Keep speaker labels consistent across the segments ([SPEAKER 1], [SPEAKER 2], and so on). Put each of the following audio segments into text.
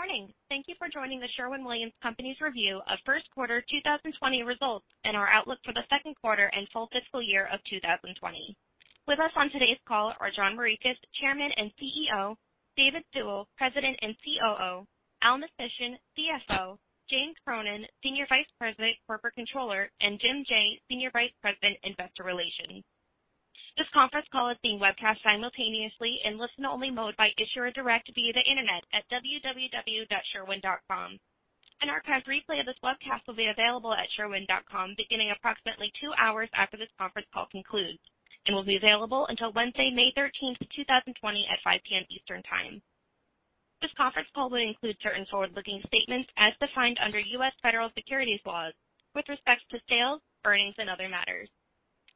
[SPEAKER 1] Good morning. Thank you for joining The Sherwin-Williams Company's review of first quarter 2020 results, and our outlook for the second quarter and full fiscal year of 2020. With us on today's call are John Morikis, Chairman and CEO, David Sewell, President and COO, Al Mistysyn, CFO, Jane Cronin, Senior Vice President, Corporate Controller, and Jim Jaye, Senior Vice President, Investor Relations. This conference call is being webcast simultaneously in listen only mode by Issuer Direct via the internet at www.sherwin.com. An archived replay of this webcast will be available at sherwin.com beginning approximately two hours after this conference call concludes, and will be available until Wednesday, May 13th, 2020 at 5:00 P.M. Eastern time. This conference call will include certain forward-looking statements as defined under U.S. federal securities laws with respect to sales, earnings, and other matters.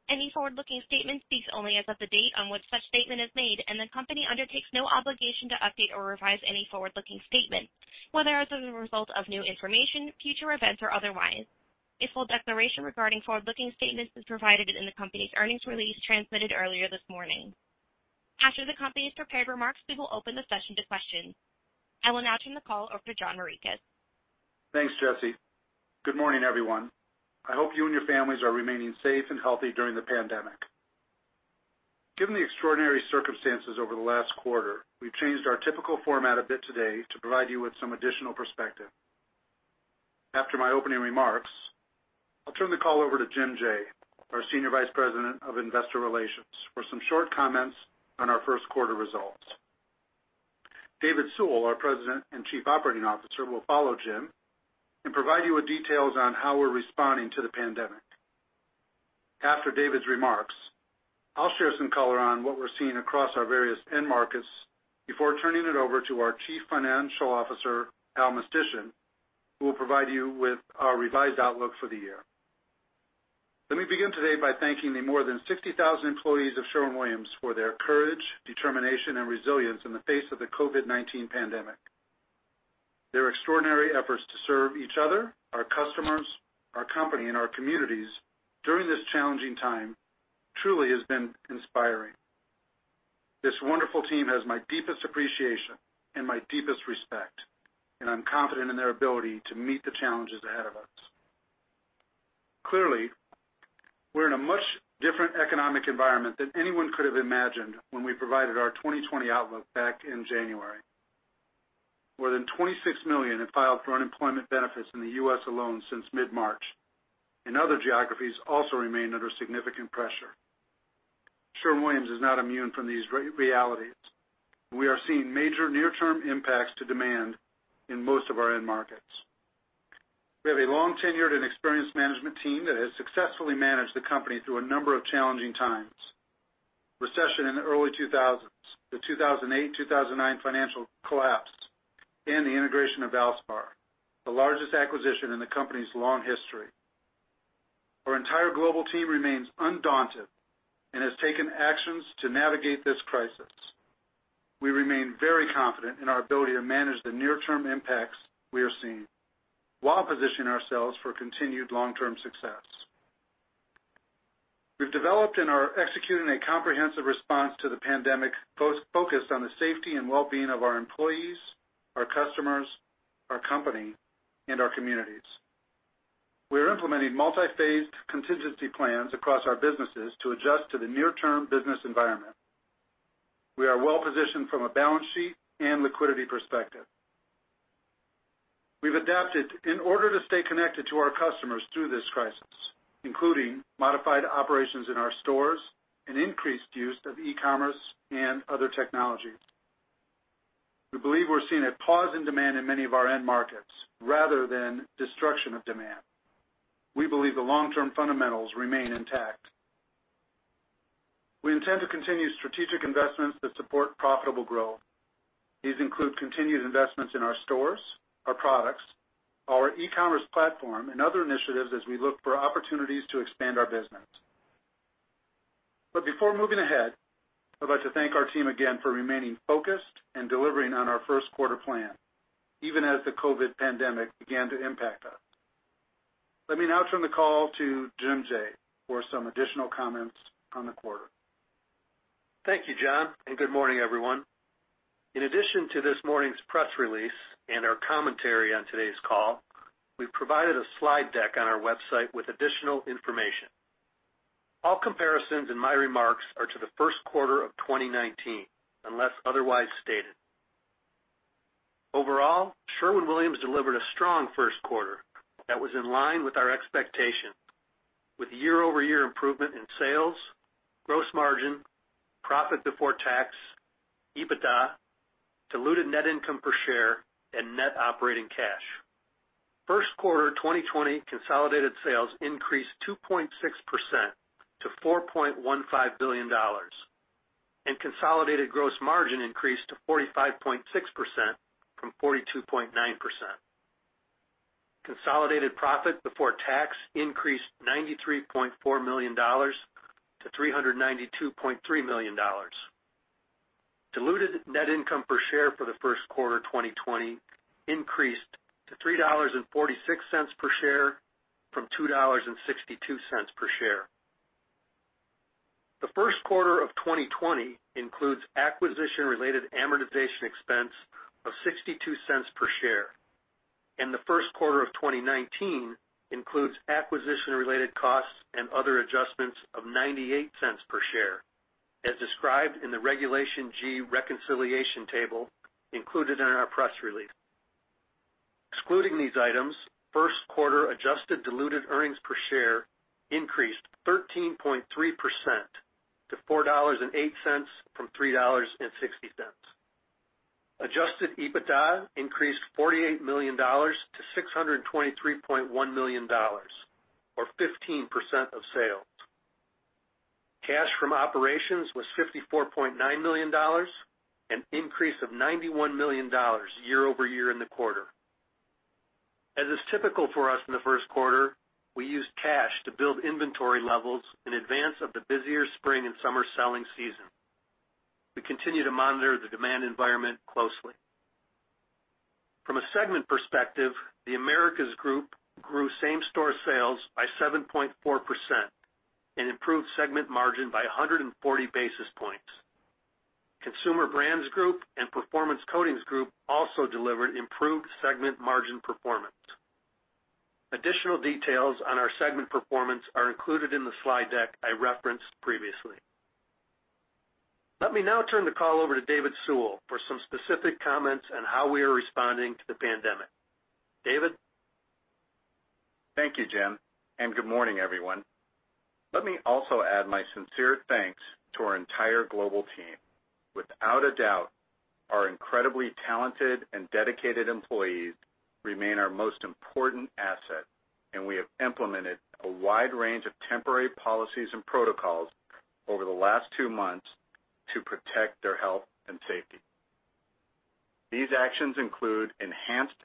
[SPEAKER 1] Any forward-looking statements speak only as of the date on which such statement is made. The company undertakes no obligation to update or revise any forward-looking statement, whether as a result of new information, future events, or otherwise. A full declaration regarding forward-looking statements is provided in the company's earnings release transmitted earlier this morning. After the company's prepared remarks, we will open the session to questions. I will now turn the call over to John Morikis.
[SPEAKER 2] Thanks, Jesse. Good morning, everyone. I hope you and your families are remaining safe and healthy during the pandemic. Given the extraordinary circumstances over the last quarter, we've changed our typical format a bit today to provide you with some additional perspective. After my opening remarks, I'll turn the call over to Jim Jaye, our Senior Vice President of Investor Relations, for some short comments on our first quarter results. David Sewell, our President and Chief Operating Officer, will follow Jim and provide you with details on how we're responding to the pandemic. After David's remarks, I'll share some color on what we're seeing across our various end markets before turning it over to our Chief Financial Officer, Al Mistysyn, who will provide you with our revised outlook for the year. Let me begin today by thanking the more than 60,000 employees of Sherwin-Williams for their courage, determination, and resilience in the face of the COVID-19 pandemic. Their extraordinary efforts to serve each other, our customers, our company, and our communities during this challenging time truly has been inspiring. This wonderful team has my deepest appreciation and my deepest respect, and I'm confident in their ability to meet the challenges ahead of us. Clearly, we're in a much different economic environment than anyone could have imagined when we provided our 2020 outlook back in January. More than 26 million have filed for unemployment benefits in the U.S. alone since mid-March, and other geographies also remain under significant pressure. Sherwin-Williams is not immune from these realities. We are seeing major near-term impacts to demand in most of our end markets. We have a long-tenured and experienced management team that has successfully managed the company through a number of challenging times. Recession in the early 2000s, the 2008, 2009 financial collapse, and the integration of Valspar, the largest acquisition in the company's long history. Our entire global team remains undaunted and has taken actions to navigate this crisis. We remain very confident in our ability to manage the near-term impacts we are seeing, while positioning ourselves for continued long-term success. We've developed and are executing a comprehensive response to the pandemic, focused on the safety and wellbeing of our employees, our customers, our company, and our communities. We are implementing multi-phased contingency plans across our businesses to adjust to the near-term business environment. We are well-positioned from a balance sheet and liquidity perspective. We've adapted in order to stay connected to our customers through this crisis, including modified operations in our stores and increased use of e-commerce and other technologies. We believe we're seeing a pause in demand in many of our end markets rather than destruction of demand. We believe the long-term fundamentals remain intact. We intend to continue strategic investments that support profitable growth. These include continued investments in our stores, our products, our e-commerce platform, and other initiatives as we look for opportunities to expand our business. Before moving ahead, I'd like to thank our team again for remaining focused and delivering on our first quarter plan even as the COVID pandemic began to impact us. Let me now turn the call to Jim Jaye for some additional comments on the quarter.
[SPEAKER 3] Thank you, John, and good morning, everyone. In addition to this morning's press release and our commentary on today's call, we've provided a slide deck on our website with additional information. All comparisons in my remarks are to the first quarter of 2019 unless otherwise stated. Overall, Sherwin-Williams delivered a strong first quarter that was in line with our expectations. With year-over-year improvement in sales, gross margin, profit before tax, EBITDA, diluted net income per share, and net operating cash. First quarter 2020 consolidated sales increased 2.6% to $4.15 billion, and consolidated gross margin increased to 45.6% from 42.9%. Consolidated profit before tax increased $93.4 million-$392.3 million. Diluted net income per share for the first quarter 2020 increased to $3.46 per share from $2.62 per share. The first quarter of 2020 includes acquisition-related amortization expense of $0.62 per share, and the first quarter of 2019 includes acquisition-related costs and other adjustments of $0.98 per share, as described in the Regulation G reconciliation table included in our press release. Excluding these items, first quarter adjusted diluted earnings per share increased 13.3% to $4.08 from $3.60. Adjusted EBITDA increased $48 million to $623.1 million, or 15% of sales. Cash from operations was $54.9 million, an increase of $91 million year-over-year in the quarter. As is typical for us in the first quarter, we used cash to build inventory levels in advance of the busier spring and summer selling season. We continue to monitor the demand environment closely. From a segment perspective, The Americas Group grew same-store sales by 7.4% and improved segment margin by 140 basis points. Consumer Brands Group and Performance Coatings Group also delivered improved segment margin performance. Additional details on our segment performance are included in the slide deck I referenced previously. Let me now turn the call over to David Sewell for some specific comments on how we are responding to the pandemic. David?
[SPEAKER 4] Thank you, Jim, and good morning, everyone. Let me also add my sincere thanks to our entire global team. Without a doubt, our incredibly talented and dedicated employees remain our most important asset, and we have implemented a wide range of temporary policies and protocols over the last two months to protect their health and safety. These actions include enhanced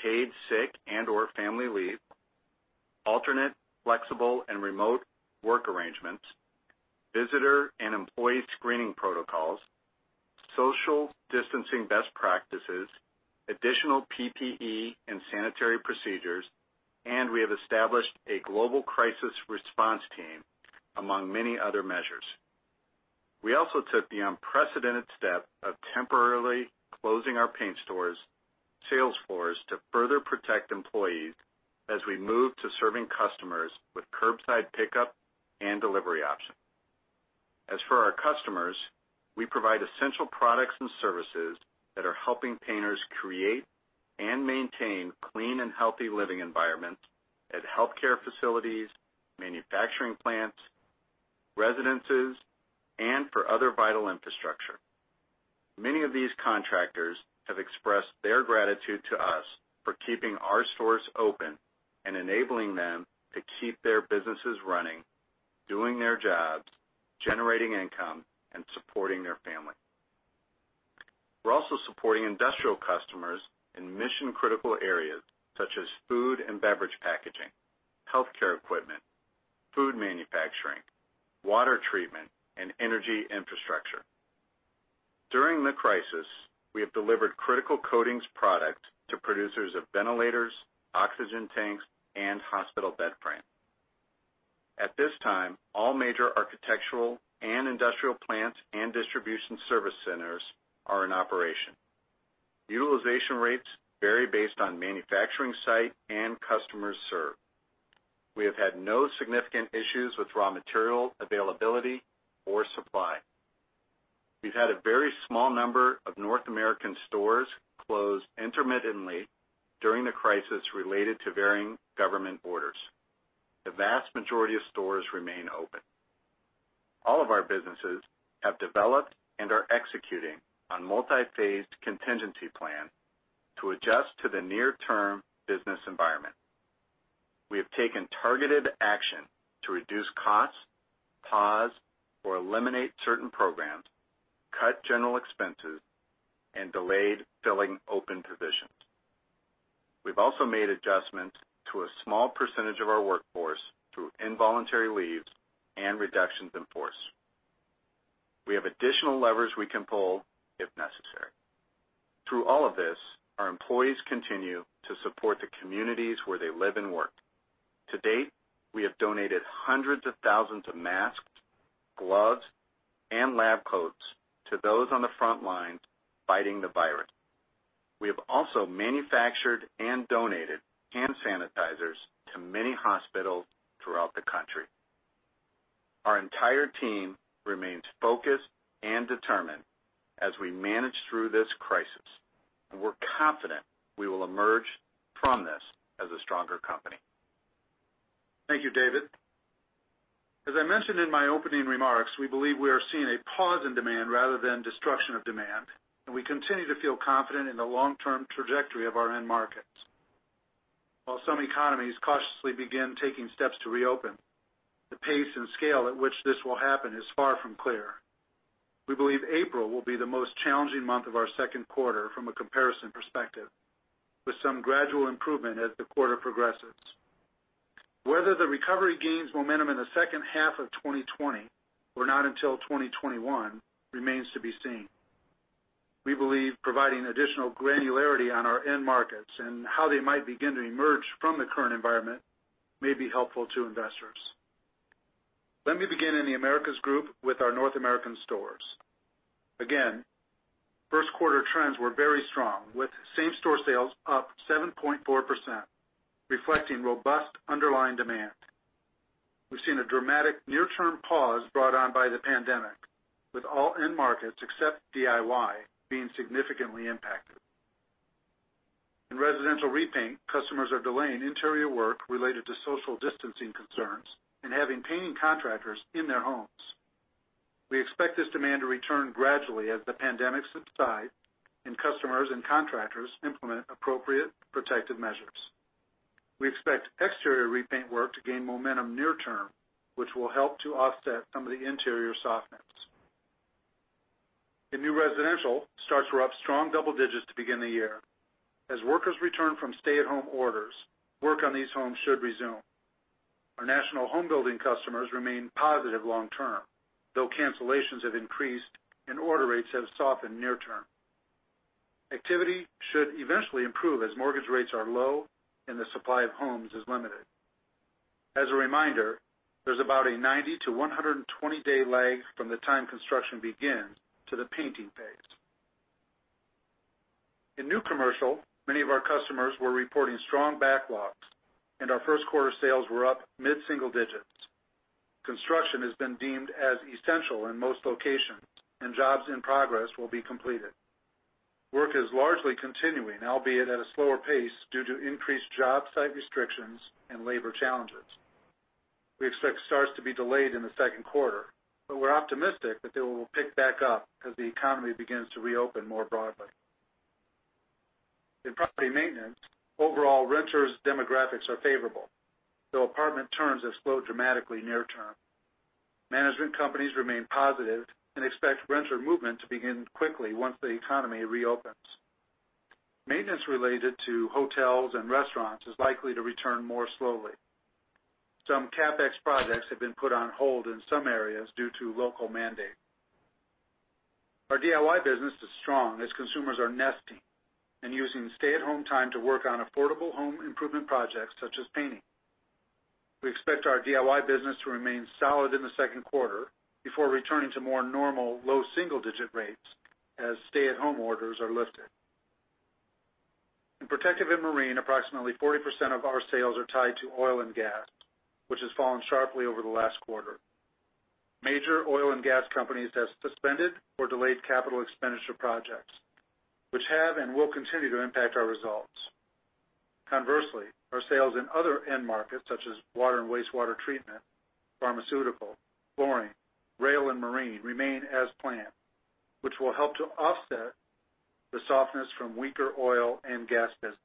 [SPEAKER 4] paid sick and/or family leave, alternate, flexible, and remote work arrangements, visitor and employee screening protocols, social distancing best practices, additional PPE and sanitary procedures, and we have established a global crisis response team, among many other measures. We also took the unprecedented step of temporarily closing our paint stores' sales floors to further protect employees as we move to serving customers with curbside pickup and delivery options. As for our customers, we provide essential products and services that are helping painters create and maintain clean and healthy living environments at healthcare facilities, manufacturing plants, residences, and for other vital infrastructure. Many of these contractors have expressed their gratitude to us for keeping our stores open and enabling them to keep their businesses running, doing their jobs, generating income, and supporting their family. We're also supporting industrial customers in mission-critical areas such as food and beverage packaging, healthcare equipment, food manufacturing, water treatment, and energy infrastructure. During the crisis, we have delivered critical coatings product to producers of ventilators, oxygen tanks, and hospital bed frames. At this time, all major architectural and industrial plants and distribution service centers are in operation. Utilization rates vary based on manufacturing site and customers served. We have had no significant issues with raw material availability or supply. We've had a very small number of North American stores closed intermittently during the crisis related to varying government orders. The vast majority of stores remain open. All of our businesses have developed and are executing on multi-phased contingency plan to adjust to the near-term business environment. We have taken targeted action to reduce costs, pause or eliminate certain programs, cut general expenses, and delayed filling open positions. We've also made adjustments to a small percentage of our workforce through involuntary leaves and reductions in force. We have additional levers we can pull if necessary. Through all of this, our employees continue to support the communities where they live and work. To date, we have donated hundreds of thousands of masks, gloves, and lab coats to those on the front lines fighting the virus. We have also manufactured and donated hand sanitizers to many hospitals throughout the country. Our entire team remains focused and determined as we manage through this crisis, and we're confident we will emerge from this as a stronger company.
[SPEAKER 2] Thank you, David. As I mentioned in my opening remarks, we believe we are seeing a pause in demand rather than destruction of demand, and we continue to feel confident in the long-term trajectory of our end markets. While some economies cautiously begin taking steps to reopen, the pace and scale at which this will happen is far from clear. We believe April will be the most challenging month of our second quarter from a comparison perspective, with some gradual improvement as the quarter progresses. Whether the recovery gains momentum in the second half of 2020 or not until 2021 remains to be seen. We believe providing additional granularity on our end markets and how they might begin to emerge from the current environment may be helpful to investors. Let me begin in The Americas Group with our North American stores. Again, first quarter trends were very strong, with same store sales up 7.4%, reflecting robust underlying demand. We've seen a dramatic near-term pause brought on by the pandemic, with all end markets except DIY being significantly impacted. In residential repaint, customers are delaying interior work related to social distancing concerns and having painting contractors in their homes. We expect this demand to return gradually as the pandemic subside, and customers and contractors implement appropriate protective measures. We expect exterior repaint work to gain momentum near term, which will help to offset some of the interior softness. In new residential, starts were up strong double digits to begin the year. As workers return from stay-at-home orders, work on these homes should resume. Our national home building customers remain positive long term, though cancellations have increased and order rates have softened near term. Activity should eventually improve as mortgage rates are low and the supply of homes is limited. As a reminder, there is about a 90-120 day lag from the time construction begins to the painting phase. In new commercial, many of our customers were reporting strong backlogs and our first quarter sales were up mid-single digits. Construction has been deemed as essential in most locations and jobs in progress will be completed. Work is largely continuing, albeit at a slower pace, due to increased job site restrictions and labor challenges. We expect starts to be delayed in the second quarter, but we're optimistic that they will pick back up as the economy begins to reopen more broadly. In property maintenance, overall renters demographics are favorable, though apartment turns have slowed dramatically near term. Management companies remain positive and expect renter movement to begin quickly once the economy reopens. Maintenance related to hotels and restaurants is likely to return more slowly. Some CapEx projects have been put on hold in some areas due to local mandate. Our DIY business is strong as consumers are nesting and using stay-at-home time to work on affordable home improvement projects such as painting. We expect our DIY business to remain solid in the second quarter before returning to more normal low double-digit rates as stay-at-home orders are lifted. In Protective and Marine, approximately 40% of our sales are tied to oil and gas, which has fallen sharply over the last quarter. Major oil and gas companies have suspended or delayed capital expenditure projects, which have and will continue to impact our results. Conversely, our sales in other end markets such as water and wastewater treatment, pharmaceutical, flooring, rail and marine remain as planned, which will help to offset the softness from weaker oil and gas business.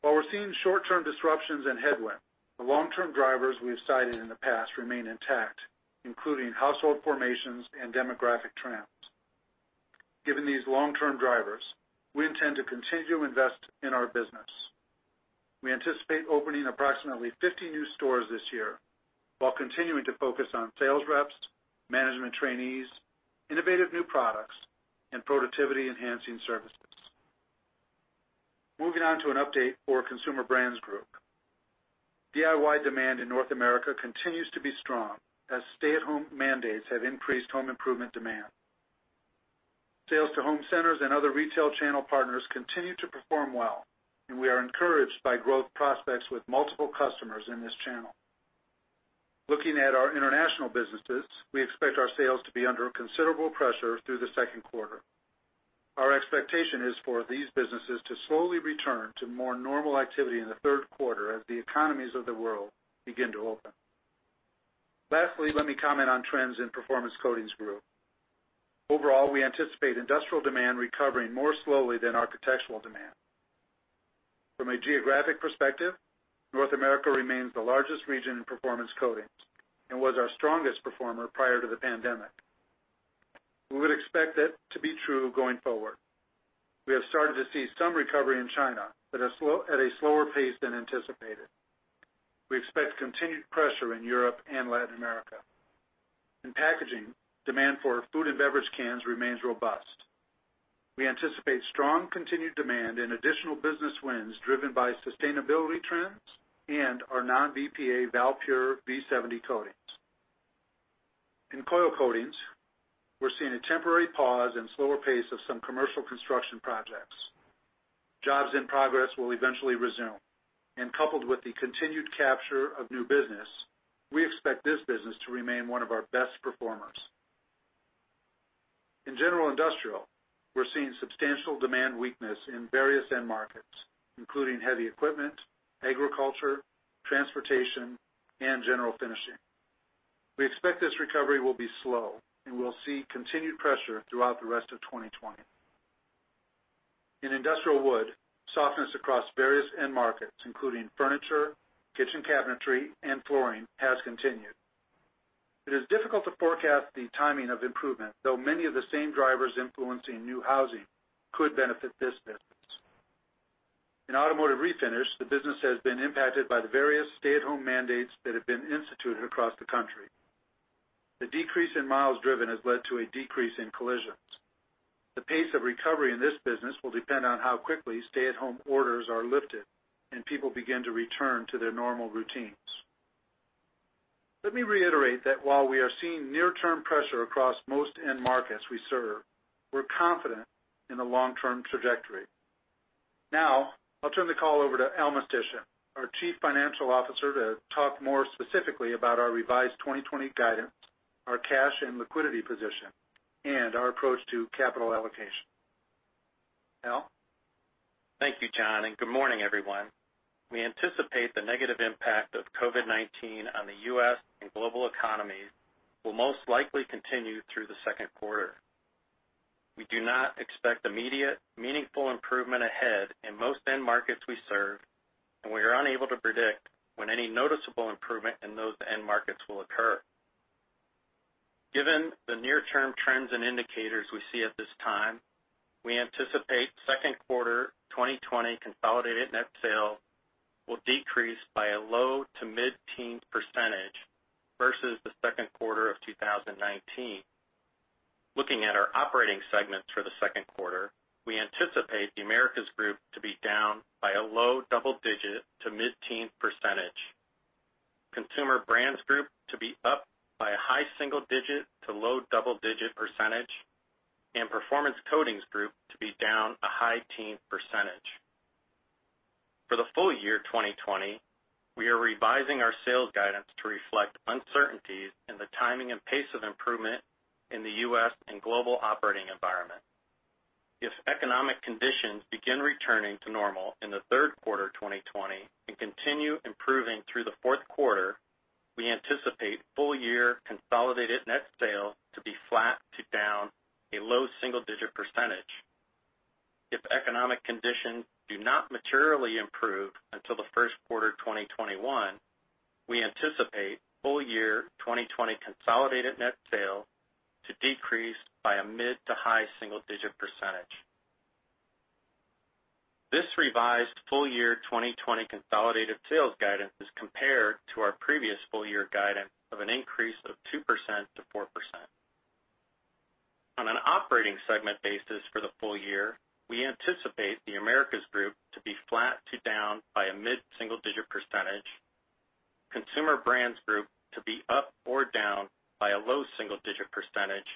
[SPEAKER 2] While we're seeing short-term disruptions and headwind, the long-term drivers we have cited in the past remain intact, including household formations and demographic trends. Given these long-term drivers, we intend to continue to invest in our business. We anticipate opening approximately 50 new stores this year while continuing to focus on sales reps, management trainees, innovative new products, and productivity enhancing services. Moving on to an update for Consumer Brands Group. DIY demand in North America continues to be strong as stay-at-home mandates have increased home improvement demand. Sales to home centers and other retail channel partners continue to perform well, and we are encouraged by growth prospects with multiple customers in this channel. Looking at our international businesses, we expect our sales to be under considerable pressure through the second quarter. Our expectation is for these businesses to slowly return to more normal activity in the third quarter as the economies of the world begin to open. Lastly, let me comment on trends in Performance Coatings Group. Overall, we anticipate industrial demand recovering more slowly than architectural demand. From a geographic perspective, North America remains the largest region in Performance Coatings and was our strongest performer prior to the pandemic. We would expect that to be true going forward. We have started to see some recovery in China at a slower pace than anticipated. We expect continued pressure in Europe and Latin America. In packaging, demand for food and beverage cans remains robust. We anticipate strong continued demand and additional business wins driven by sustainability trends and our non-BPA valPure V70 coatings. In coil coatings, we're seeing a temporary pause and slower pace of some commercial construction projects. Jobs in progress will eventually resume, and coupled with the continued capture of new business, we expect this business to remain one of our best performers. In general industrial, we're seeing substantial demand weakness in various end markets, including heavy equipment, agriculture, transportation, and general finishing. We expect this recovery will be slow, and we'll see continued pressure throughout the rest of 2020. In industrial wood, softness across various end markets, including furniture, kitchen cabinetry, and flooring, has continued. It is difficult to forecast the timing of improvement, though many of the same drivers influencing new housing could benefit this business. In automotive refinish, the business has been impacted by the various stay-at-home mandates that have been instituted across the country. The decrease in miles driven has led to a decrease in collisions. The pace of recovery in this business will depend on how quickly stay-at-home orders are lifted and people begin to return to their normal routines. Let me reiterate that while we are seeing near-term pressure across most end markets we serve, we're confident in the long-term trajectory. I'll turn the call over to Al Mistysyn, our Chief Financial Officer, to talk more specifically about our revised 2020 guidance, our cash and liquidity position, and our approach to capital allocation. Al?
[SPEAKER 5] Thank you, John. Good morning, everyone. We anticipate the negative impact of COVID-19 on the U.S. and global economy will most likely continue through the second quarter. We do not expect immediate meaningful improvement ahead in most end markets we serve, and we are unable to predict when any noticeable improvement in those end markets will occur. Given the near-term trends and indicators we see at this time, we anticipate second quarter 2020 consolidated net sales will decrease by a low to mid-teen percentage versus the second quarter of 2019. Looking at our operating segments for the second quarter, we anticipate The Americas Group to be down by a low double digit to mid-teen percentage. Consumer Brands Group to be up by a high single digit to low double digit percentage, and Performance Coatings Group to be down a high teen percentage. For the full-year 2020, we are revising our sales guidance to reflect uncertainties in the timing and pace of improvement in the U.S. and global operating environment. If economic conditions begin returning to normal in the third quarter 2020 and continue improving through the fourth quarter, we anticipate full-year consolidated net sales to be flat to down a low single-digit percentage. If economic conditions do not materially improve until the first quarter 2021, we anticipate full-year 2020 consolidated net sales to decrease by a mid to high single-digit percentage. This revised full-year 2020 consolidated sales guidance is compared to our previous full-year guidance of an increase of 2%-4%. On an operating segment basis for the full year, we anticipate The Americas Group to be flat to down by a mid-single-digitpercentage Consumer Brands Group to be up or down by a low single-digit percentage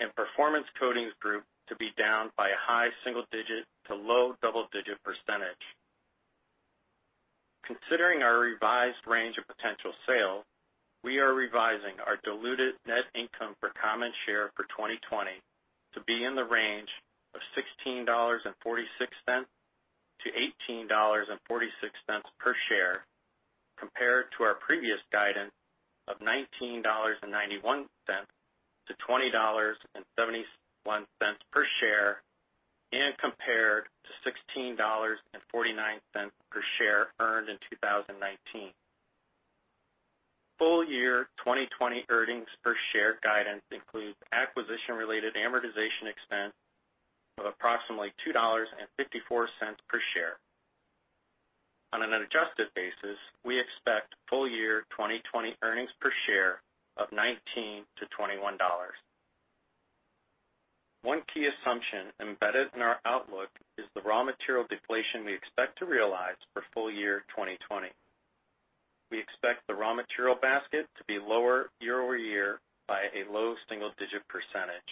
[SPEAKER 5] and Performance Coatings Group to be down by a high single-digit to low double-digit percentage. Considering our revised range of potential sales, we are revising our diluted net income per common share for 2020 to be in the range of $16.46-$18.46 per share, compared to our previous guidance of $19.91-$20.71 per share, and compared to $16.49 per share earned in 2019. Full-year 2020 earnings per share guidance includes acquisition-related amortization expense of approximately $2.54 per share. On an adjusted basis, we expect full-year 2020 earnings per share of $19-$21. One key assumption embedded in our outlook is the raw material deflation we expect to realize for full-year 2020. We expect the raw material basket to be lower year-over-year by a low single-digit percentage.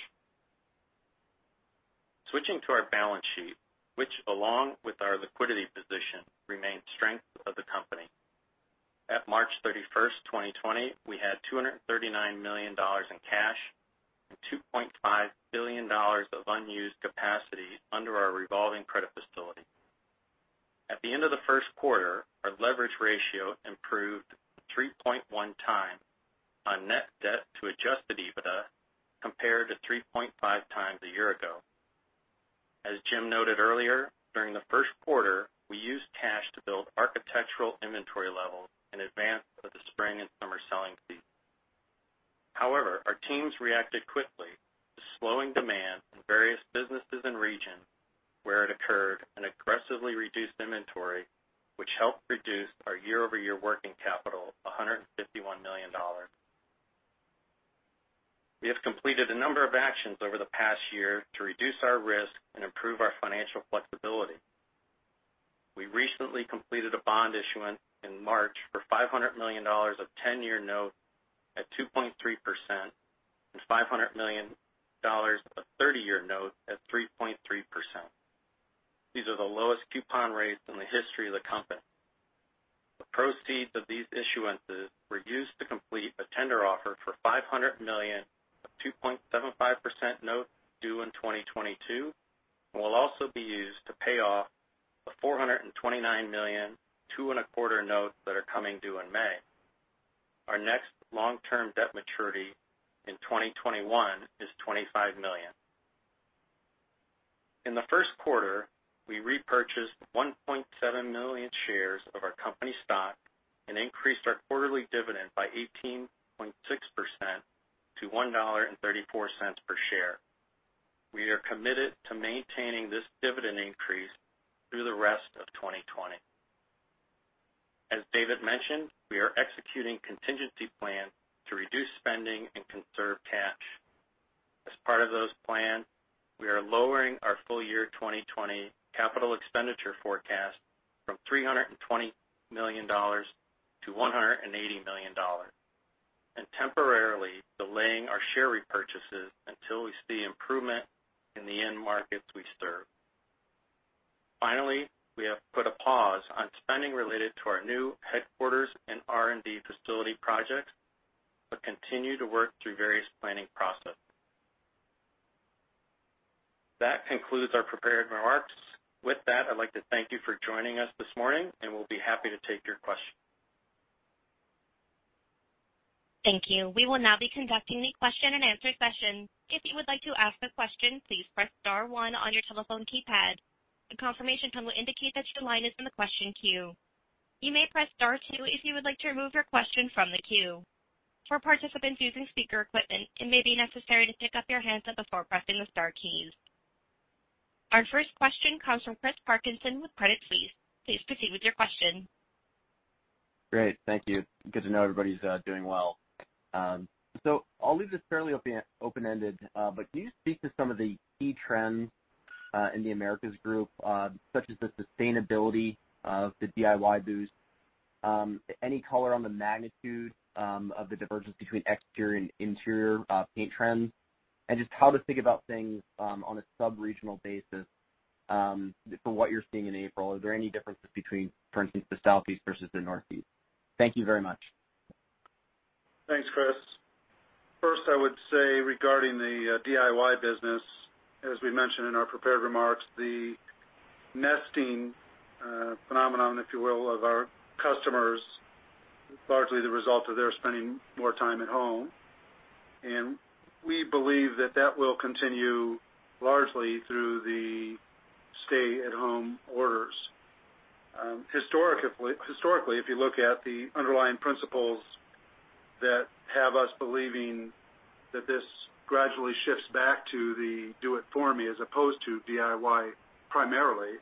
[SPEAKER 5] Switching to our balance sheet, which along with our liquidity position remains strength of the company. At March 31st, 2020, we had $239 million in cash and $2.5 billion of unused capacity under our revolving credit facility. At the end of the first quarter, our leverage ratio improved 3.1x on net debt to adjusted EBITDA, compared to 3.5x a year ago. As Jim noted earlier, during the first quarter, we used cash to build architectural inventory levels in advance of the spring and summer selling season. However, our teams reacted quickly to slowing demand in various businesses and regions where it occurred and aggressively reduced inventory, which helped reduce our year-over-year working capital $151 million. We have completed a number of actions over the past year to reduce our risk and improve our financial flexibility. We recently completed a bond issuance in March for $500 million of 10-year notes at 2.3% and $500 million of 30-year notes at 3.3%. These are the lowest coupon rates in the history of the company. The proceeds of these issuances were used to complete a tender offer for $500 million of 2.75% notes due in 2022, and will also be used to pay off a $429 million two-and-a-quarter notes that are coming due in May. Our next long-term debt maturity in 2021 is $25 million. In the first quarter, we repurchased 1.7 million shares of our company stock and increased our quarterly dividend by 18.6% to $1.34 per share. We are committed to maintaining this dividend increase through the rest of 2020. As David mentioned, we are executing contingency plan to reduce spending and conserve cash. As part of those plan, we are lowering our full year 2020 capital expenditure forecast from $320 million to $180 million, and temporarily delaying our share repurchases until we see improvement in the end markets we serve. Finally, we have put a pause on spending related to our new headquarters and R&D facility projects, but continue to work through various planning process. That concludes our prepared remarks. With that, I'd like to thank you for joining us this morning, and we'll be happy to take your question.
[SPEAKER 1] Thank you. We will now be conducting the question and answer session. Our 1st question comes from Chris Parkinson with Credit Suisse. Please proceed with your question.
[SPEAKER 6] Great. Thank you. Good to know everybody's doing well. I'll leave this fairly open-ended, but can you speak to some of the key trends in The Americas Group, such as the sustainability of the DIY boost, any color on the magnitude of the divergence between exterior and interior paint trends, and just how to think about things on a sub-regional basis, from what you're seeing in April. Are there any differences between, for instance, the Southeast versus the Northeast? Thank you very much.
[SPEAKER 2] Thanks, Chris. 1st, I would say regarding the DIY business, as we mentioned in our prepared remarks, the nesting phenomenon, if you will, of our customers, largely the result of their spending more time at home. We believe that that will continue largely through the stay-at-home orders. Historically, if you look at the underlying principles that have us believing that this gradually shifts back to the do it for me as opposed to DIY primarily,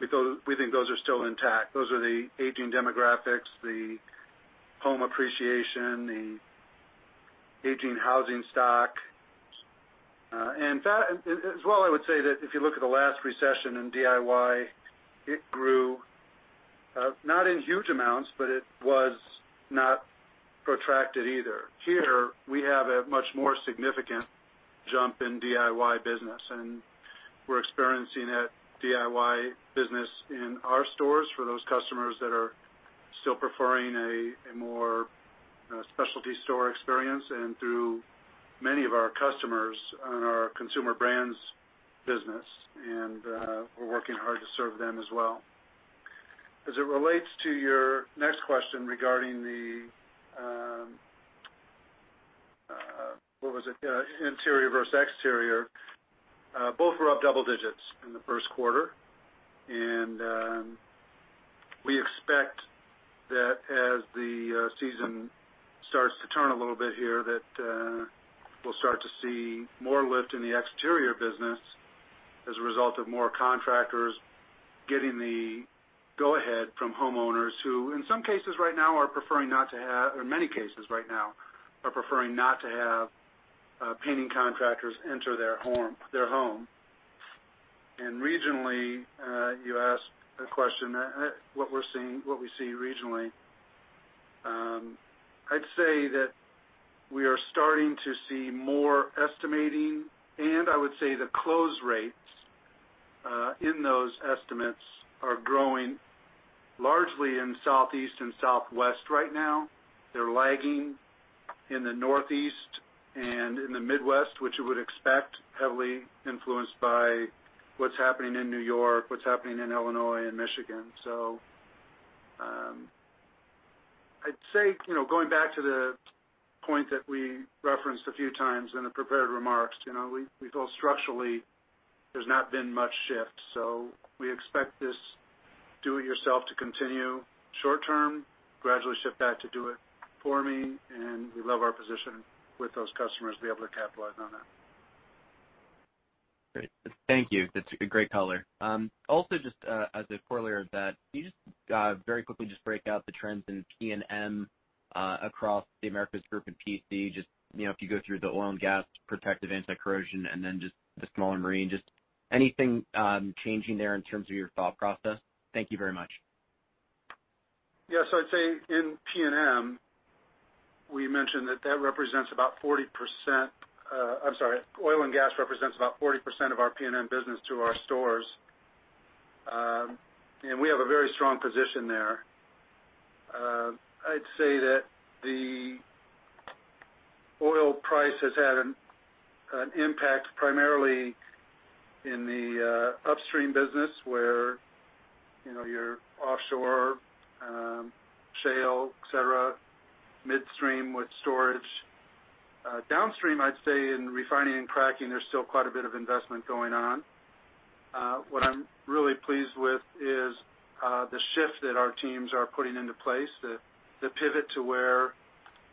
[SPEAKER 2] we think those are still intact. Those are the aging demographics, the home appreciation, the aging housing stock. As well, I would say that if you look at the last recession in DIY, it grew, not in huge amounts, but it was not protracted either. Here, we have a much more significant jump in DIY business, and we're experiencing that DIY business in our stores for those customers that are still preferring a more specialty store experience and through many of our customers on our consumer brands business. We're working hard to serve them as well. As it relates to your next question regarding the, what was it? Interior versus exterior. Both were up double digits in the first quarter. We expect that as the season starts to turn a little bit here, that we'll start to see more lift in the exterior business as a result of more contractors getting the go-ahead from homeowners who, in some cases right now are preferring not to have or in many cases right now, are preferring not to have painting contractors enter their home. Regionally, you asked a question, what we see regionally. I'd say that we are starting to see more estimating, and I would say the close rates, in those estimates are growing largely in Southeast and Southwest right now. They're lagging in the Northeast and in the Midwest, which you would expect, heavily influenced by what's happening in New York, what's happening in Illinois and Michigan. I'd say, going back to the point that we referenced a few times in the prepared remarks, we feel structurally there's not been much shift. We expect this do-it-yourself to continue short term, gradually shift back to do-it-for-me, and we love our position with those customers to be able to capitalize on that.
[SPEAKER 6] Great. Thank you. That's a great color. Also, just, as a corollary of that, can you just, very quickly just break out the trends in P&M across The Americas Group and PC, just if you go through the oil and gas protective anti-corrosion and then just the smaller marine, just anything changing there in terms of your thought process? Thank you very much.
[SPEAKER 2] Yes. I'd say in P&M, we mentioned that represents about 40%. I'm sorry. Oil and gas represents about 40% of our P&M business to our stores. We have a very strong position there. I'd say that the oil price has had an impact primarily in the upstream business where your offshore, shale, et cetera, midstream with storage. Downstream, I'd say in refining and cracking, there's still quite a bit of investment going on. What I'm really pleased with is the shift that our teams are putting into place, the pivot to where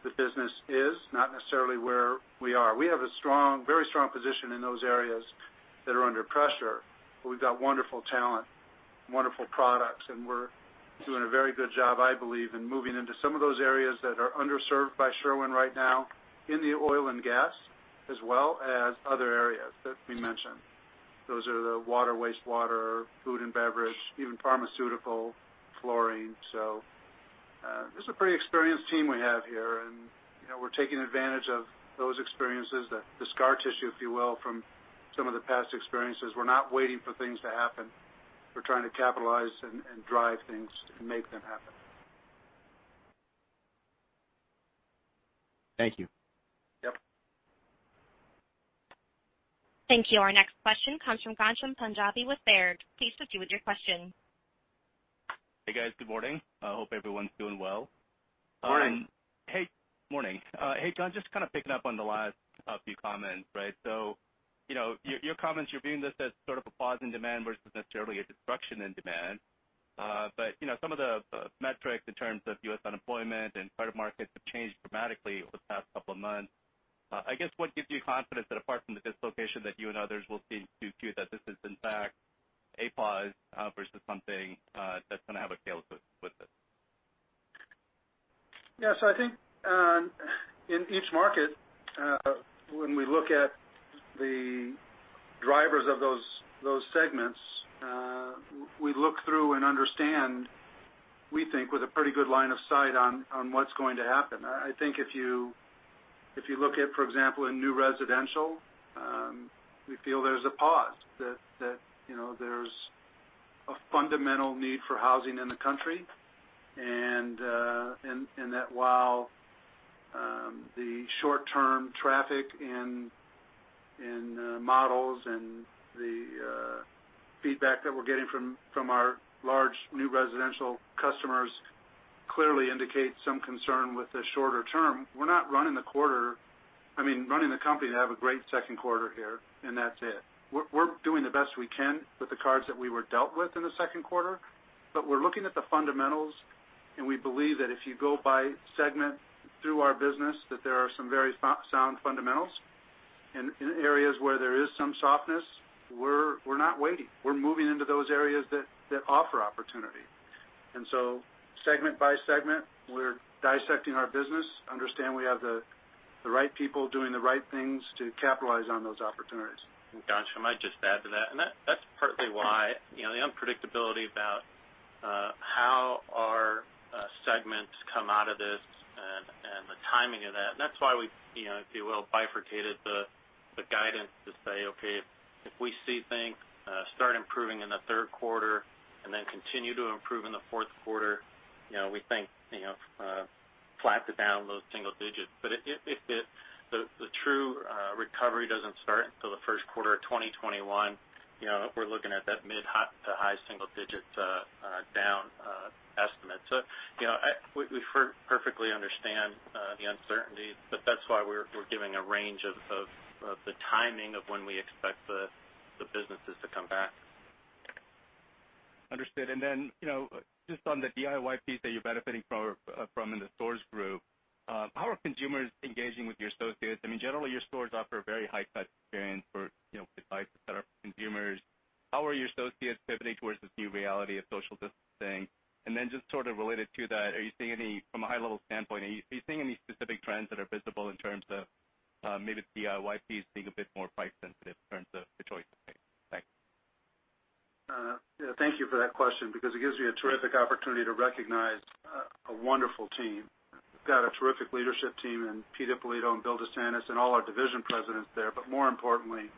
[SPEAKER 2] the business is, not necessarily where we are. We have a very strong position in those areas that are under pressure, but we've got wonderful talent, wonderful products, and we're doing a very good job, I believe, in moving into some of those areas that are underserved by Sherwin right now in the oil and gas, as well as other areas that we mentioned. Those are the water, wastewater, food and beverage, even pharmaceutical, flooring. This is a pretty experienced team we have here, and we're taking advantage of those experiences, the scar tissue, if you will, from some of the past experiences. We're not waiting for things to happen. We're trying to capitalize and drive things to make them happen.
[SPEAKER 6] Thank you.
[SPEAKER 2] Yep.
[SPEAKER 1] Thank you. Our next question comes from Ghansham Panjabi with Baird. Please proceed with your question.
[SPEAKER 7] Hey, guys. Good morning. I hope everyone's doing well.
[SPEAKER 2] Morning.
[SPEAKER 7] Morning. Hey, John, just kind of picking up on the last few comments. Your comments, you're viewing this as sort of a pause in demand versus necessarily a destruction in demand. Some of the metrics in terms of U.S. unemployment and private markets have changed dramatically over the past couple of months. I guess what gives you confidence that apart from the dislocation that you and others will seem to Q2 that this is in fact a pause versus something that's going to have a tail with it?
[SPEAKER 2] I think in each market, when we look at the drivers of those segments, we look through and understand, we think, with a pretty good line of sight on what's going to happen. I think if you look at, for example, in new residential, we feel there's a pause, that there's a fundamental need for housing in the country, and that while the short-term traffic in models and the feedback that we're getting from our large new residential customers clearly indicates some concern with the shorter term. We're not running the company to have a great second quarter here, and that's it. We're doing the best we can with the cards that we were dealt with in the second quarter, but we're looking at the fundamentals, and we believe that if you go by segment through our business, that there are some very sound fundamentals. In areas where there is some softness, we're not waiting. We're moving into those areas that offer opportunity. Segment by segment, we're dissecting our business, understand we have the right people doing the right things to capitalize on those opportunities.
[SPEAKER 5] Ghansham, I might just add to that, and that's partly why the unpredictability about how our segments come out of this and the timing of that. That's why we, if you will, bifurcated the guidance to say, okay, if we see things start improving in the third quarter and then continue to improve in the fourth quarter, we think flat to down low single digits. If the true recovery doesn't start until the first quarter of 2021, we're looking at that mid to high single digit down estimate. We perfectly understand the uncertainty, but that's why we're giving a range of the timing of when we expect the businesses to come back.
[SPEAKER 7] Understood. Just on the DIY piece that you're benefiting from in the stores group, how are consumers engaging with your associates? Generally, your stores offer a very high-touch experience for advice et cetera for consumers. How are your associates pivoting towards this new reality of social distancing? Just sort of related to that, from a high-level standpoint, are you seeing any specific trends that are visible in terms of maybe the DIY piece being a bit more price-sensitive in terms of the choices made? Thanks.
[SPEAKER 2] Thank you for that question because it gives me a terrific opportunity to recognize a wonderful team. We've got a terrific leadership team in Pete Ippolito and Bill DeSantis and all our division presidents there. More importantly,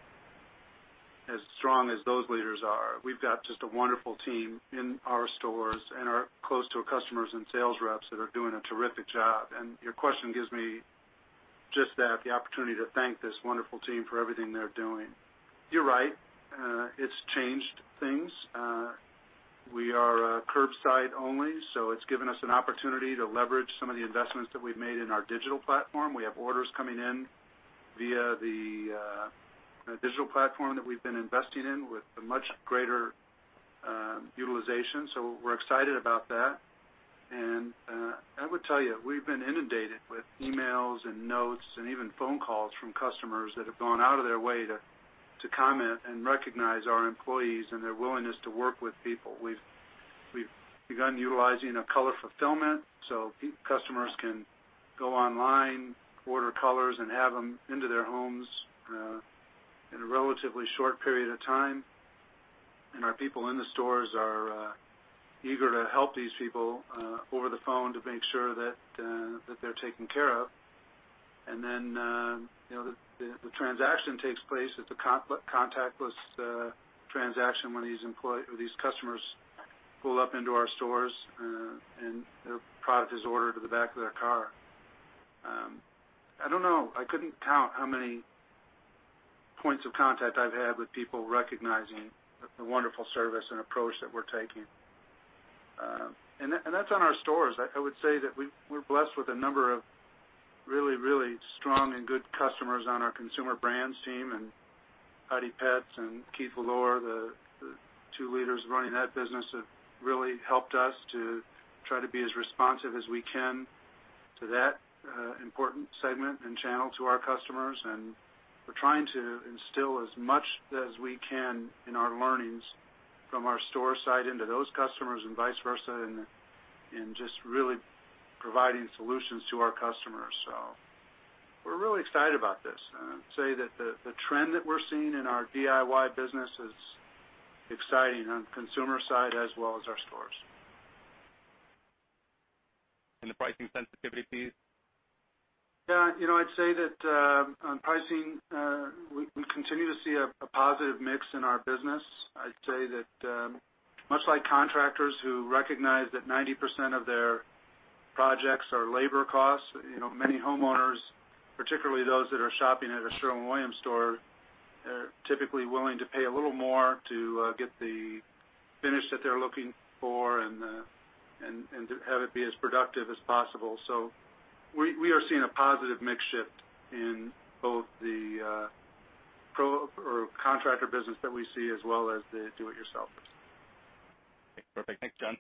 [SPEAKER 2] as strong as those leaders are, we've got just a wonderful team in our stores and our close to our customers and sales reps that are doing a terrific job. Your question gives me just that, the opportunity to thank this wonderful team for everything they're doing. You're right. It's changed things. We are curbside only. It's given us an opportunity to leverage some of the investments that we've made in our digital platform. We have orders coming in via the digital platform that we've been investing in with a much greater utilization. We're excited about that. I would tell you, we've been inundated with emails and notes and even phone calls from customers that have gone out of their way to comment and recognize our employees and their willingness to work with people. We've begun utilizing a color fulfillment so customers can go online, order colors, and have them into their homes in a relatively short period of time. Our people in the stores are eager to help these people over the phone to make sure that they're taken care of. The transaction takes place. It's a contactless transaction when these customers pull up into our stores, and their product is ordered to the back of their car. I don't know. I couldn't count how many points of contact I've had with people recognizing the wonderful service and approach that we're taking. That's on our stores. I would say that we're blessed with a number of really, really strong and good customers on our consumer brands team, and Heidi Petz and Keith Valliere, the two leaders running that business, have really helped us to try to be as responsive as we can to that important segment and channel to our customers. We're trying to instill as much as we can in our learnings from our store side into those customers and vice versa, and just really providing solutions to our customers. We're really excited about this. I'd say that the trend that we're seeing in our DIY business is exciting on consumer side as well as our stores.
[SPEAKER 7] The pricing sensitivity?
[SPEAKER 2] Yeah. I'd say that on pricing, we continue to see a positive mix in our business. I'd say that much like contractors who recognize that 90% of their projects are labor costs, many homeowners, particularly those that are shopping at a Sherwin-Williams store, are typically willing to pay a little more to get the finish that they're looking for and to have it be as productive as possible. We are seeing a positive mix shift in both the pro or contractor business that we see, as well as the do it yourselfers.
[SPEAKER 7] Perfect. Thanks, John.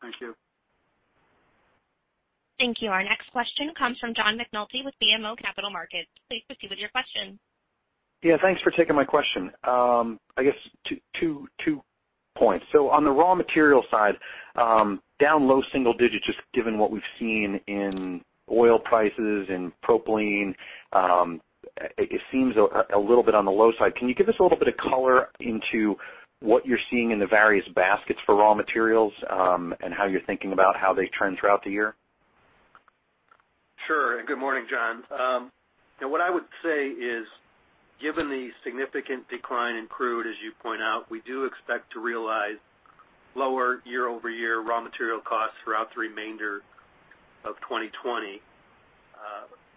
[SPEAKER 2] Thank you.
[SPEAKER 1] Thank you. Our next question comes from John McNulty with BMO Capital Markets. Please proceed with your question.
[SPEAKER 8] Yeah, thanks for taking my question. I guess two points. On the raw material side, down low single digits, just given what we've seen in oil prices, in propylene, it seems a little bit on the low side. Can you give us a little bit of color into what you're seeing in the various baskets for raw materials, and how you're thinking about how they trend throughout the year?
[SPEAKER 2] Sure. Good morning, John. What I would say is, given the significant decline in crude, as you point out, we do expect to realize lower year-over-year raw material costs throughout the remainder of 2020.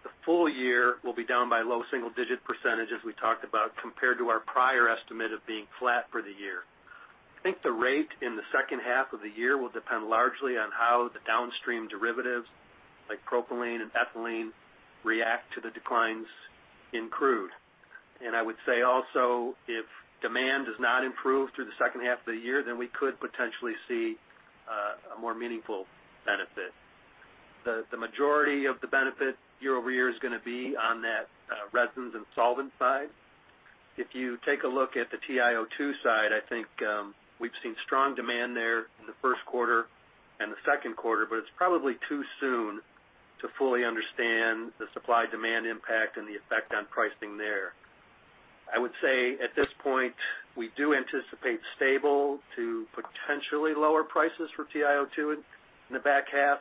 [SPEAKER 2] The full year will be down by low single-digit percentage as we talked about, compared to our prior estimate of being flat for the year. I think the rate in the second half of the year will depend largely on how the downstream derivatives like propylene and ethylene react to the declines in crude. I would say also, if demand does not improve through the second half of the year, then we could potentially see a more meaningful benefit. The majority of the benefit year-over-year is going to be on that resins and solvents side. If you take a look at the TiO2 side, I think we've seen strong demand there in the first quarter and the second quarter, but it's probably too soon to fully understand the supply-demand impact and the effect on pricing there. I would say, at this point, we do anticipate stable to potentially lower prices for TiO2 in the back half.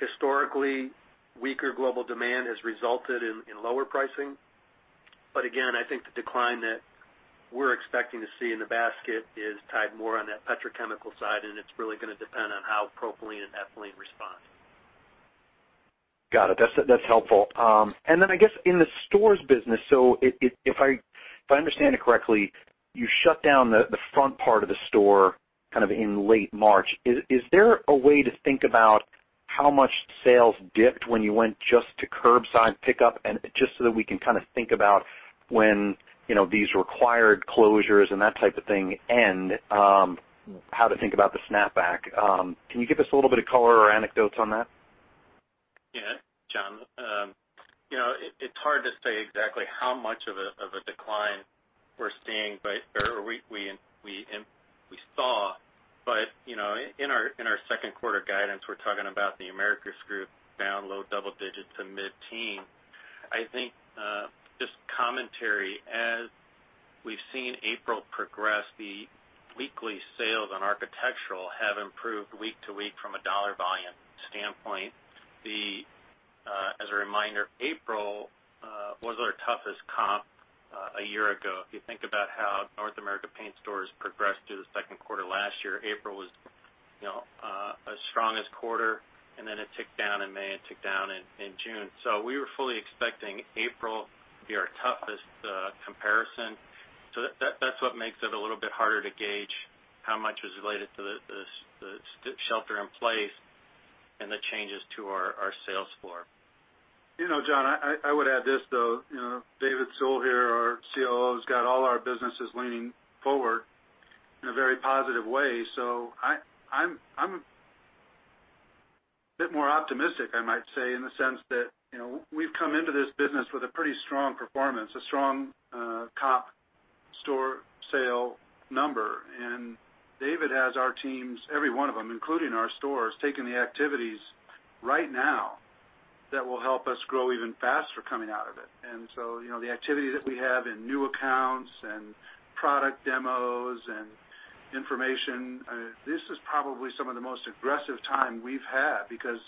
[SPEAKER 2] Historically, weaker global demand has resulted in lower pricing. Again, I think the decline that we're expecting to see in the basket is tied more on that petrochemical side, and it's really going to depend on how propylene and ethylene respond.
[SPEAKER 8] Got it. That's helpful. I guess in the stores business, if I understand it correctly, you shut down the front part of the store kind of in late March. Is there a way to think about how much sales dipped when you went just to curbside pickup? Just that we can kind of think about when these required closures and that type of thing end, how to think about the snapback. Can you give us a little bit of color or anecdotes on that?
[SPEAKER 5] Yeah. John, it's hard to say exactly how much of a decline we're seeing, or we saw, but in our second quarter guidance, we're talking about The Americas Group down low double digits to mid-teen. I think just commentary, as we've seen April progress, the weekly sales on architectural have improved week to week from a dollar volume standpoint. As a reminder, April was our toughest comp a year ago. If you think about how North America paint stores progressed through the second quarter last year, April was our strongest quarter, and then it ticked down in May and ticked down in June. We were fully expecting April to be our toughest comparison. That's what makes it a little bit harder to gauge how much was related to the shelter in place and the changes to our sales floor.
[SPEAKER 2] John, I would add this, though. David Sewell here, our COO, has got all our businesses leaning forward in a very positive way. I'm a bit more optimistic, I might say, in the sense that we've come into this business with a pretty strong performance, a strong comp store sale number. David has our teams, every one of them, including our stores, taking the activities right now that will help us grow even faster coming out of it. The activity that we have in new accounts and product demos and information, this is probably some of the most aggressive time we've had because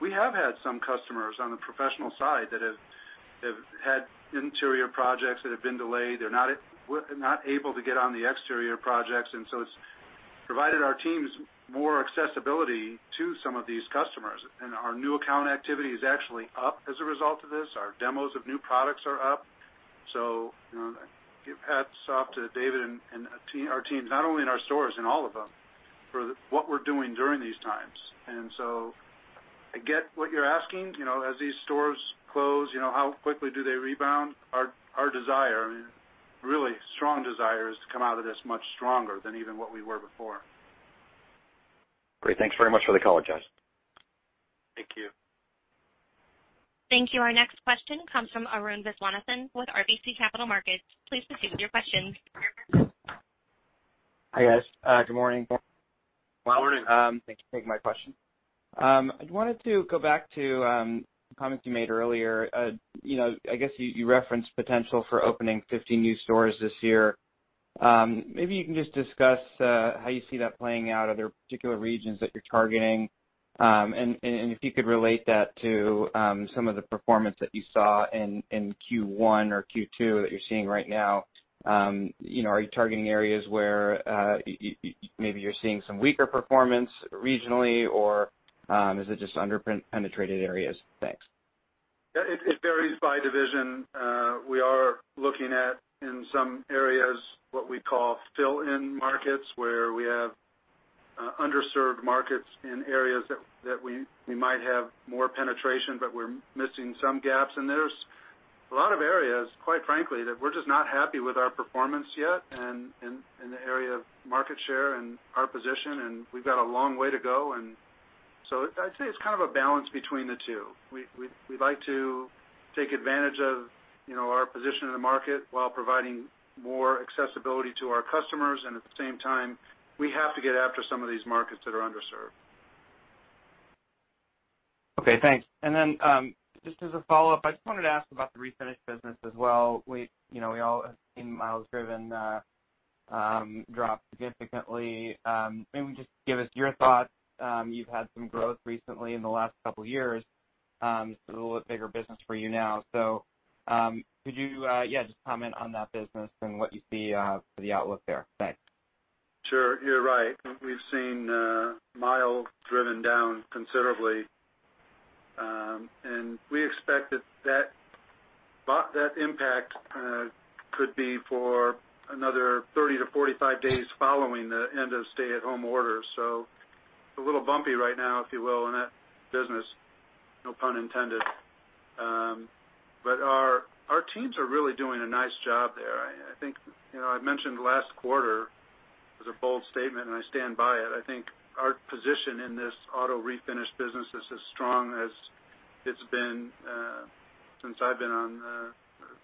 [SPEAKER 2] we have had some customers on the professional side that have had interior projects that have been delayed. They're not able to get on the exterior projects, and so it's provided our teams more accessibility to some of these customers, and our new account activity is actually up as a result of this. Our demos of new products are up. Give hats off to David and our teams, not only in our stores, in all of them, for what we're doing during these times. I get what you're asking. As these stores close, how quickly do they rebound? Our desire, really strong desire, is to come out of this much stronger than even what we were before.
[SPEAKER 8] Great. Thanks very much for the color, John.
[SPEAKER 2] Thank you.
[SPEAKER 1] Thank you. Our next question comes from Arun Viswanathan with RBC Capital Markets. Please proceed with your question.
[SPEAKER 9] Hi, guys. Good morning.
[SPEAKER 2] Good morning.
[SPEAKER 9] Thank you for taking my question. I wanted to go back to comments you made earlier. I guess you referenced potential for opening 50 new stores this year. Maybe you can just discuss how you see that playing out. Are there particular regions that you're targeting? If you could relate that to some of the performance that you saw in Q1 or Q2 that you're seeing right now. Are you targeting areas where maybe you're seeing some weaker performance regionally, or is it just under-penetrated areas? Thanks.
[SPEAKER 2] Yeah, it varies by division. We are looking at, in some areas, what we call fill-in markets, where we have underserved markets in areas that we might have more penetration, but we're missing some gaps. There's a lot of areas, quite frankly, that we're just not happy with our performance yet, and in the area of market share and our position, and we've got a long way to go. I'd say it's kind of a balance between the two. We like to take advantage of our position in the market while providing more accessibility to our customers, and at the same time, we have to get after some of these markets that are underserved.
[SPEAKER 9] Okay, thanks. Just as a follow-up, I just wanted to ask about the refinish business as well. We all have seen miles driven drop significantly. Maybe just give us your thoughts. You've had some growth recently in the last couple of years. This is a little bit bigger business for you now. Could you, yeah, just comment on that business and what you see for the outlook there? Thanks.
[SPEAKER 2] Sure. You're right. We've seen miles driven down considerably. We expect that impact could be for another 30-45 days following the end of stay-at-home orders. It's a little bumpy right now, if you will, in that business, no pun intended. Our teams are really doing a nice job there. I mentioned last quarter as a bold statement, and I stand by it. I think our position in this auto refinish business is as strong as it's been since I've been on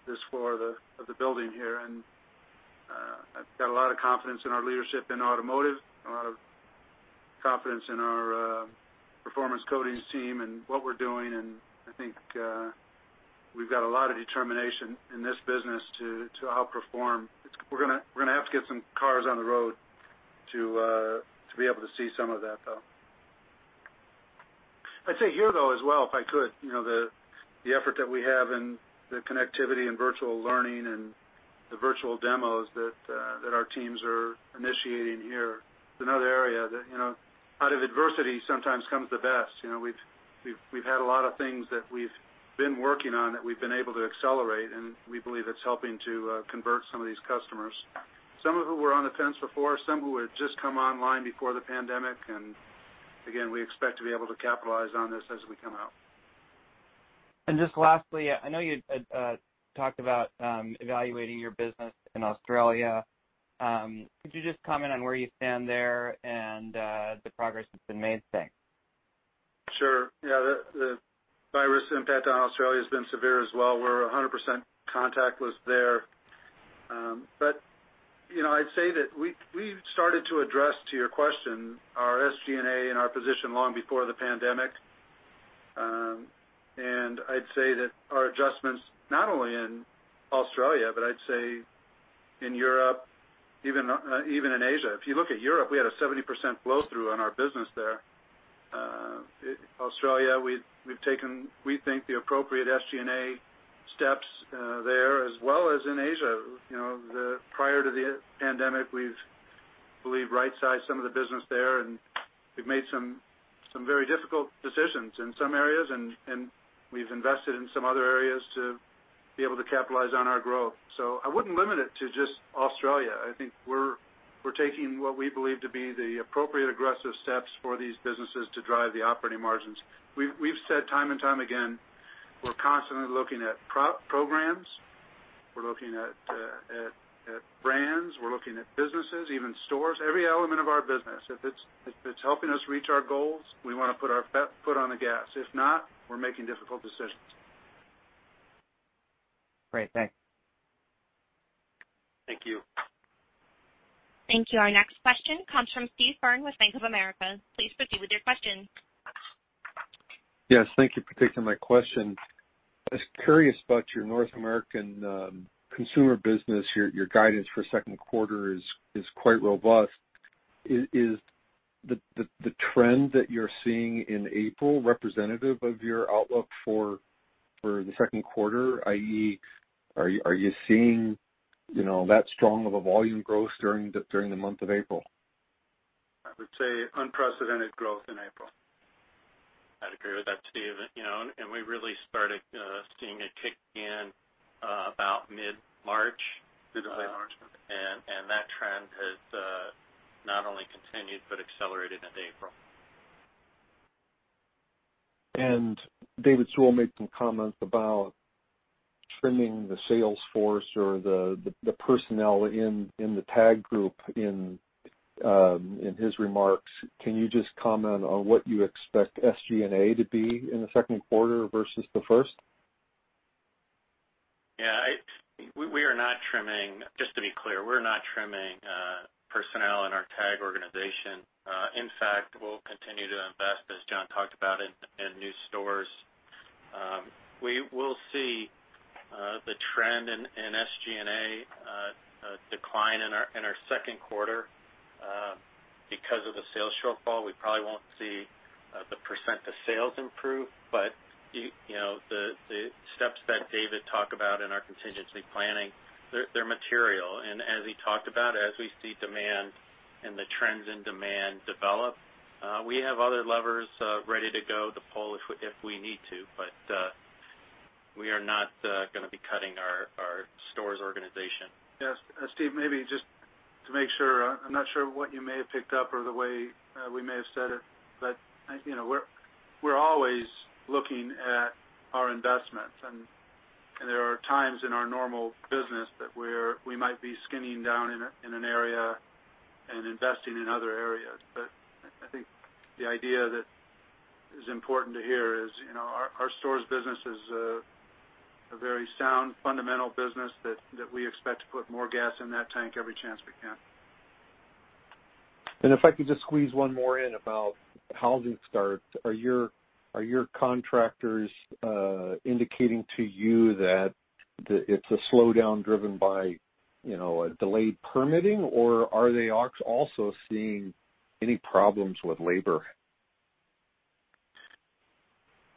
[SPEAKER 2] this floor of the building here. I've got a lot of confidence in our leadership in automotive, a lot of confidence in our Performance Coatings team and what we're doing, and I think we've got a lot of determination in this business to outperform. We're gonna have to get some cars on the road to be able to see some of that, though. I'd say here, though, as well, if I could, the effort that we have in the connectivity and virtual learning and the virtual demos that our teams are initiating here is another area that out of adversity sometimes comes the best. We've had a lot of things that we've been working on that we've been able to accelerate, we believe it's helping to convert some of these customers, some of who were on the fence before, some who had just come online before the pandemic. Again, we expect to be able to capitalize on this as we come out.
[SPEAKER 9] Just lastly, I know you talked about evaluating your business in Australia. Could you just comment on where you stand there and the progress that's been made? Thanks.
[SPEAKER 2] Sure. Yeah. The virus impact on Australia has been severe as well. We're 100% contactless there. I'd say that we've started to address, to your question, our SG&A and our position long before the pandemic. I'd say that our adjustments, not only in Australia, but I'd say in Europe, even in Asia. If you look at Europe, we had a 70% blow-through on our business there. Australia, we've taken, we think, the appropriate SG&A steps there, as well as in Asia. Prior to the pandemic, we've right-sized some of the business there, and we've made some very difficult decisions in some areas, and we've invested in some other areas to be able to capitalize on our growth. I wouldn't limit it to just Australia. I think we're taking what we believe to be the appropriate aggressive steps for these businesses to drive the operating margins. We've said time and time again, we're constantly looking at programs. We're looking at brands. We're looking at businesses, even stores. Every element of our business. If it's helping us reach our goals, we want to put our foot on the gas. If not, we're making difficult decisions.
[SPEAKER 9] Great, thanks.
[SPEAKER 2] Thank you.
[SPEAKER 1] Thank you. Our next question comes from Steve Byrne with Bank of America. Please proceed with your question.
[SPEAKER 10] Yes, thank you for taking my question. I was curious about your North American consumer business. Your guidance for second quarter is quite robust. Is the trend that you're seeing in April representative of your outlook for the second quarter? I.e., are you seeing that strong of a volume growth during the month of April?
[SPEAKER 2] I would say unprecedented growth in April.
[SPEAKER 5] I'd agree with that, Steve. We really started seeing it kick in about mid March.
[SPEAKER 2] Through to late March.
[SPEAKER 5] That trend has not only continued but accelerated into April.
[SPEAKER 10] David Sewell made some comments about trimming the sales force or the personnel in the TAG Group in his remarks. Can you just comment on what you expect SG&A to be in the second quarter versus the first?
[SPEAKER 5] Yeah. Just to be clear, we're not trimming personnel in our TAG organization. In fact, we'll continue to invest, as John talked about, in new stores. We will see the trend in SG&A decline in our second quarter because of the sales shortfall. We probably won't see the percent of sales improve, but the steps that David talked about in our contingency planning, they're material. As he talked about, as we see demand and the trends in demand develop, we have other levers ready to go to pull if we need to. We are not going to be cutting our stores organization.
[SPEAKER 2] Yes. Steve, maybe just to make sure, I'm not sure what you may have picked up or the way we may have said it, but we're always looking at our investments. There are times in our normal business that we might be skimming down in an area and investing in other areas. I think the idea that is important to hear is our stores business is a very sound, fundamental business that we expect to put more gas in that tank every chance we can.
[SPEAKER 10] If I could just squeeze one more in about housing starts. Are your contractors indicating to you that it's a slowdown driven by delayed permitting, or are they also seeing any problems with labor?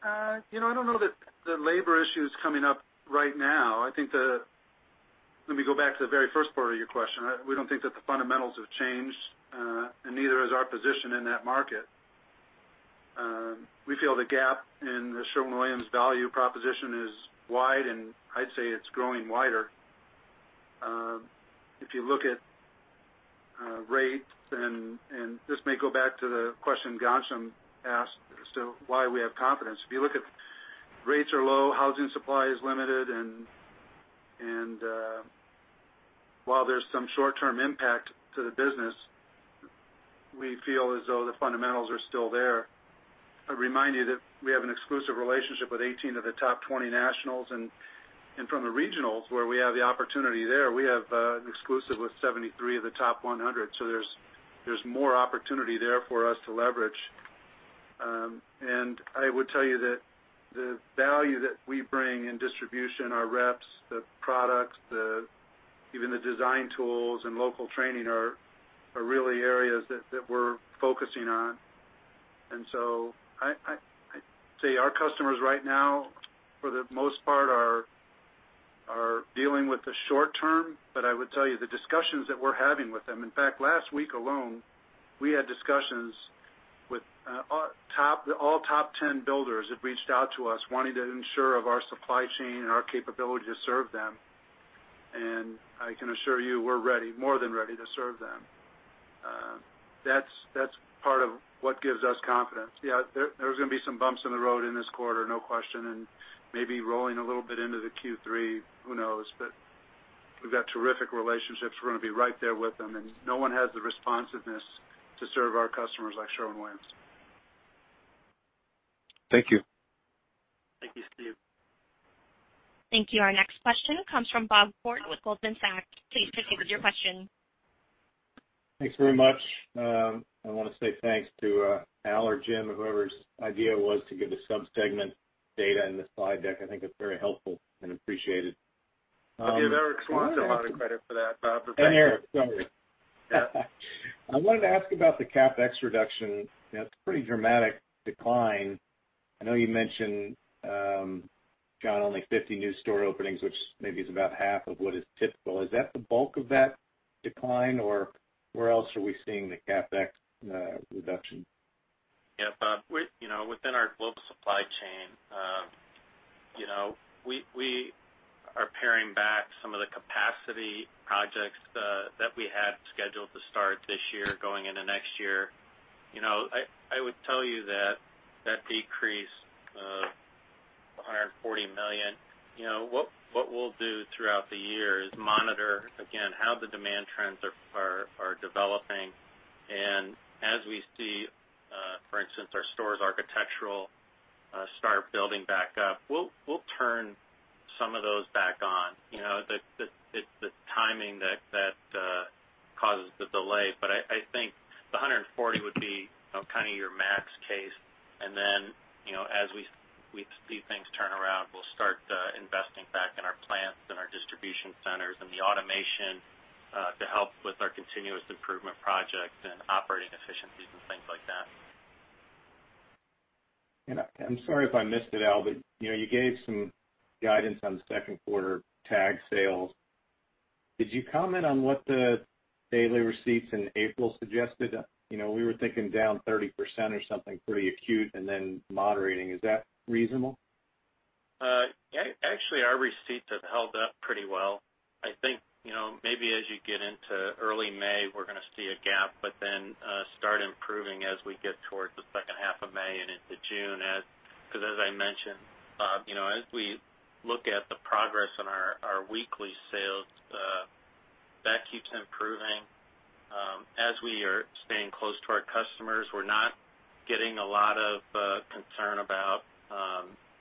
[SPEAKER 2] I don't know that the labor issue is coming up right now. Let me go back to the very 1st part of your question. We don't think that the fundamentals have changed. Neither has our position in that market. We feel the gap in the Sherwin-Williams value proposition is wide. I'd say it's growing wider. If you look at rates, this may go back to the question Ghansham asked as to why we have confidence. If you look at rates are low, housing supply is limited. While there's some short-term impact to the business, we feel as though the fundamentals are still there. I remind you that we have an exclusive relationship with 18 of the top 20 nationals. From the regionals where we have the opportunity there, we have an exclusive with 73 of the top 100. There's more opportunity there for us to leverage. I would tell you that the value that we bring in distribution, our reps, the products, even the design tools and local training are really areas that we're focusing on. I'd say our customers right now, for the most part, are dealing with the short-term. I would tell you the discussions that we're having with them, in fact, last week alone, we had discussions with all top 10 builders have reached out to us wanting to ensure of our supply chain and our capability to serve them. I can assure you we're ready, more than ready to serve them. That's part of what gives us confidence. There's going to be some bumps in the road in this quarter, no question, and maybe rolling a little bit into the Q3, who knows? We've got terrific relationships. We're going to be right there with them, and no one has the responsiveness to serve our customers like Sherwin-Williams.
[SPEAKER 10] Thank you.
[SPEAKER 5] Thank you, Steve.
[SPEAKER 1] Thank you. Our next question comes from Bob Koort with Goldman Sachs. Please proceed with your question.
[SPEAKER 11] Thanks very much. I want to say thanks to Al or Jim, or whoever's idea was to give the sub-segment data in the slide deck. I think it's very helpful and appreciated.
[SPEAKER 2] I'll give Eric Swanson a lot of credit for that, Bob.
[SPEAKER 11] In here. Sorry. I wanted to ask about the CapEx reduction. It's a pretty dramatic decline. I know you mentioned, John, only 50 new store openings, which maybe is about half of what is typical. Is that the bulk of that decline, or where else are we seeing the CapEx reduction?
[SPEAKER 5] Bob. Within our global supply chain, we are paring back some of the capacity projects that we had scheduled to start this year, going into next year. I would tell you that decrease of $140 million, what we'll do throughout the year is monitor, again, how the demand trends are developing. As we see, for instance, our stores architectural start building back up, we'll turn some of those back on. The timing that causes the delay. I think the $140 would be kind of your max case. Then, as we see things turn around, we'll start investing back in our plants and our distribution centers and the automation to help with our continuous improvement projects and operating efficiencies and things like that.
[SPEAKER 11] I'm sorry if I missed it, Al, but you gave some guidance on second quarter TAG sales. Did you comment on what the daily receipts in April suggested? We were thinking down 30% or something pretty acute and then moderating. Is that reasonable?
[SPEAKER 5] Actually, our receipts have held up pretty well. I think, maybe as you get into early May, we're going to see a gap, but then start improving as we get towards the second half of May and into June. As I mentioned, as we look at the progress on our weekly sales, that keeps improving. As we are staying close to our customers, we're not getting a lot of concern about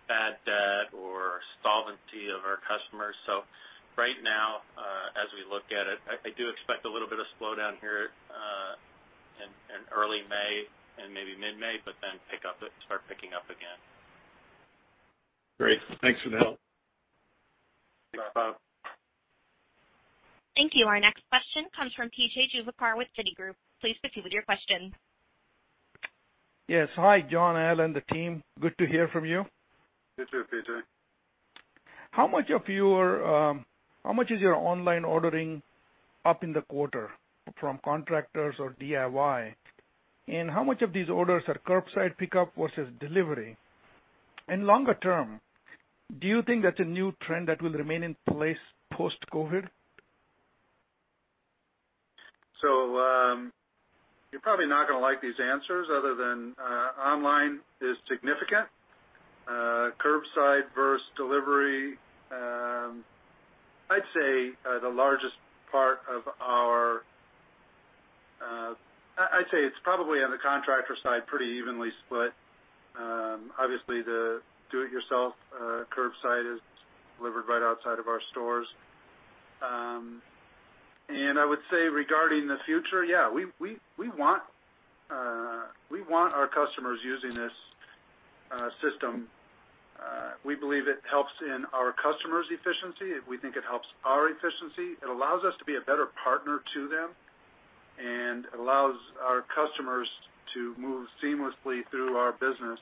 [SPEAKER 5] bad debt or solvency of our customers. Right now, as we look at it, I do expect a little bit of slowdown here in early May and maybe mid-May, but then start picking up again.
[SPEAKER 11] Great. Thanks for the help.
[SPEAKER 5] You're welcome.
[SPEAKER 1] Thank you. Our next question comes from PJ Juvekar with Citigroup. Please proceed with your question.
[SPEAKER 12] Yes. Hi, John, Al, and the team. Good to hear from you.
[SPEAKER 5] You too, PJ
[SPEAKER 12] How much is your online ordering up in the quarter from contractors or DIY? How much of these orders are curbside pickup versus delivery? Longer term, do you think that's a new trend that will remain in place post-COVID?
[SPEAKER 2] You're probably not going to like these answers other than online is significant. Curbside versus delivery, I'd say it's probably on the contractor side, pretty evenly split. Obviously, the do it yourself curbside is delivered right outside of our stores. I would say regarding the future, yeah, we want our customers using this system. We believe it helps in our customers' efficiency. We think it helps our efficiency. It allows us to be a better partner to them and allows our customers to move seamlessly through our business,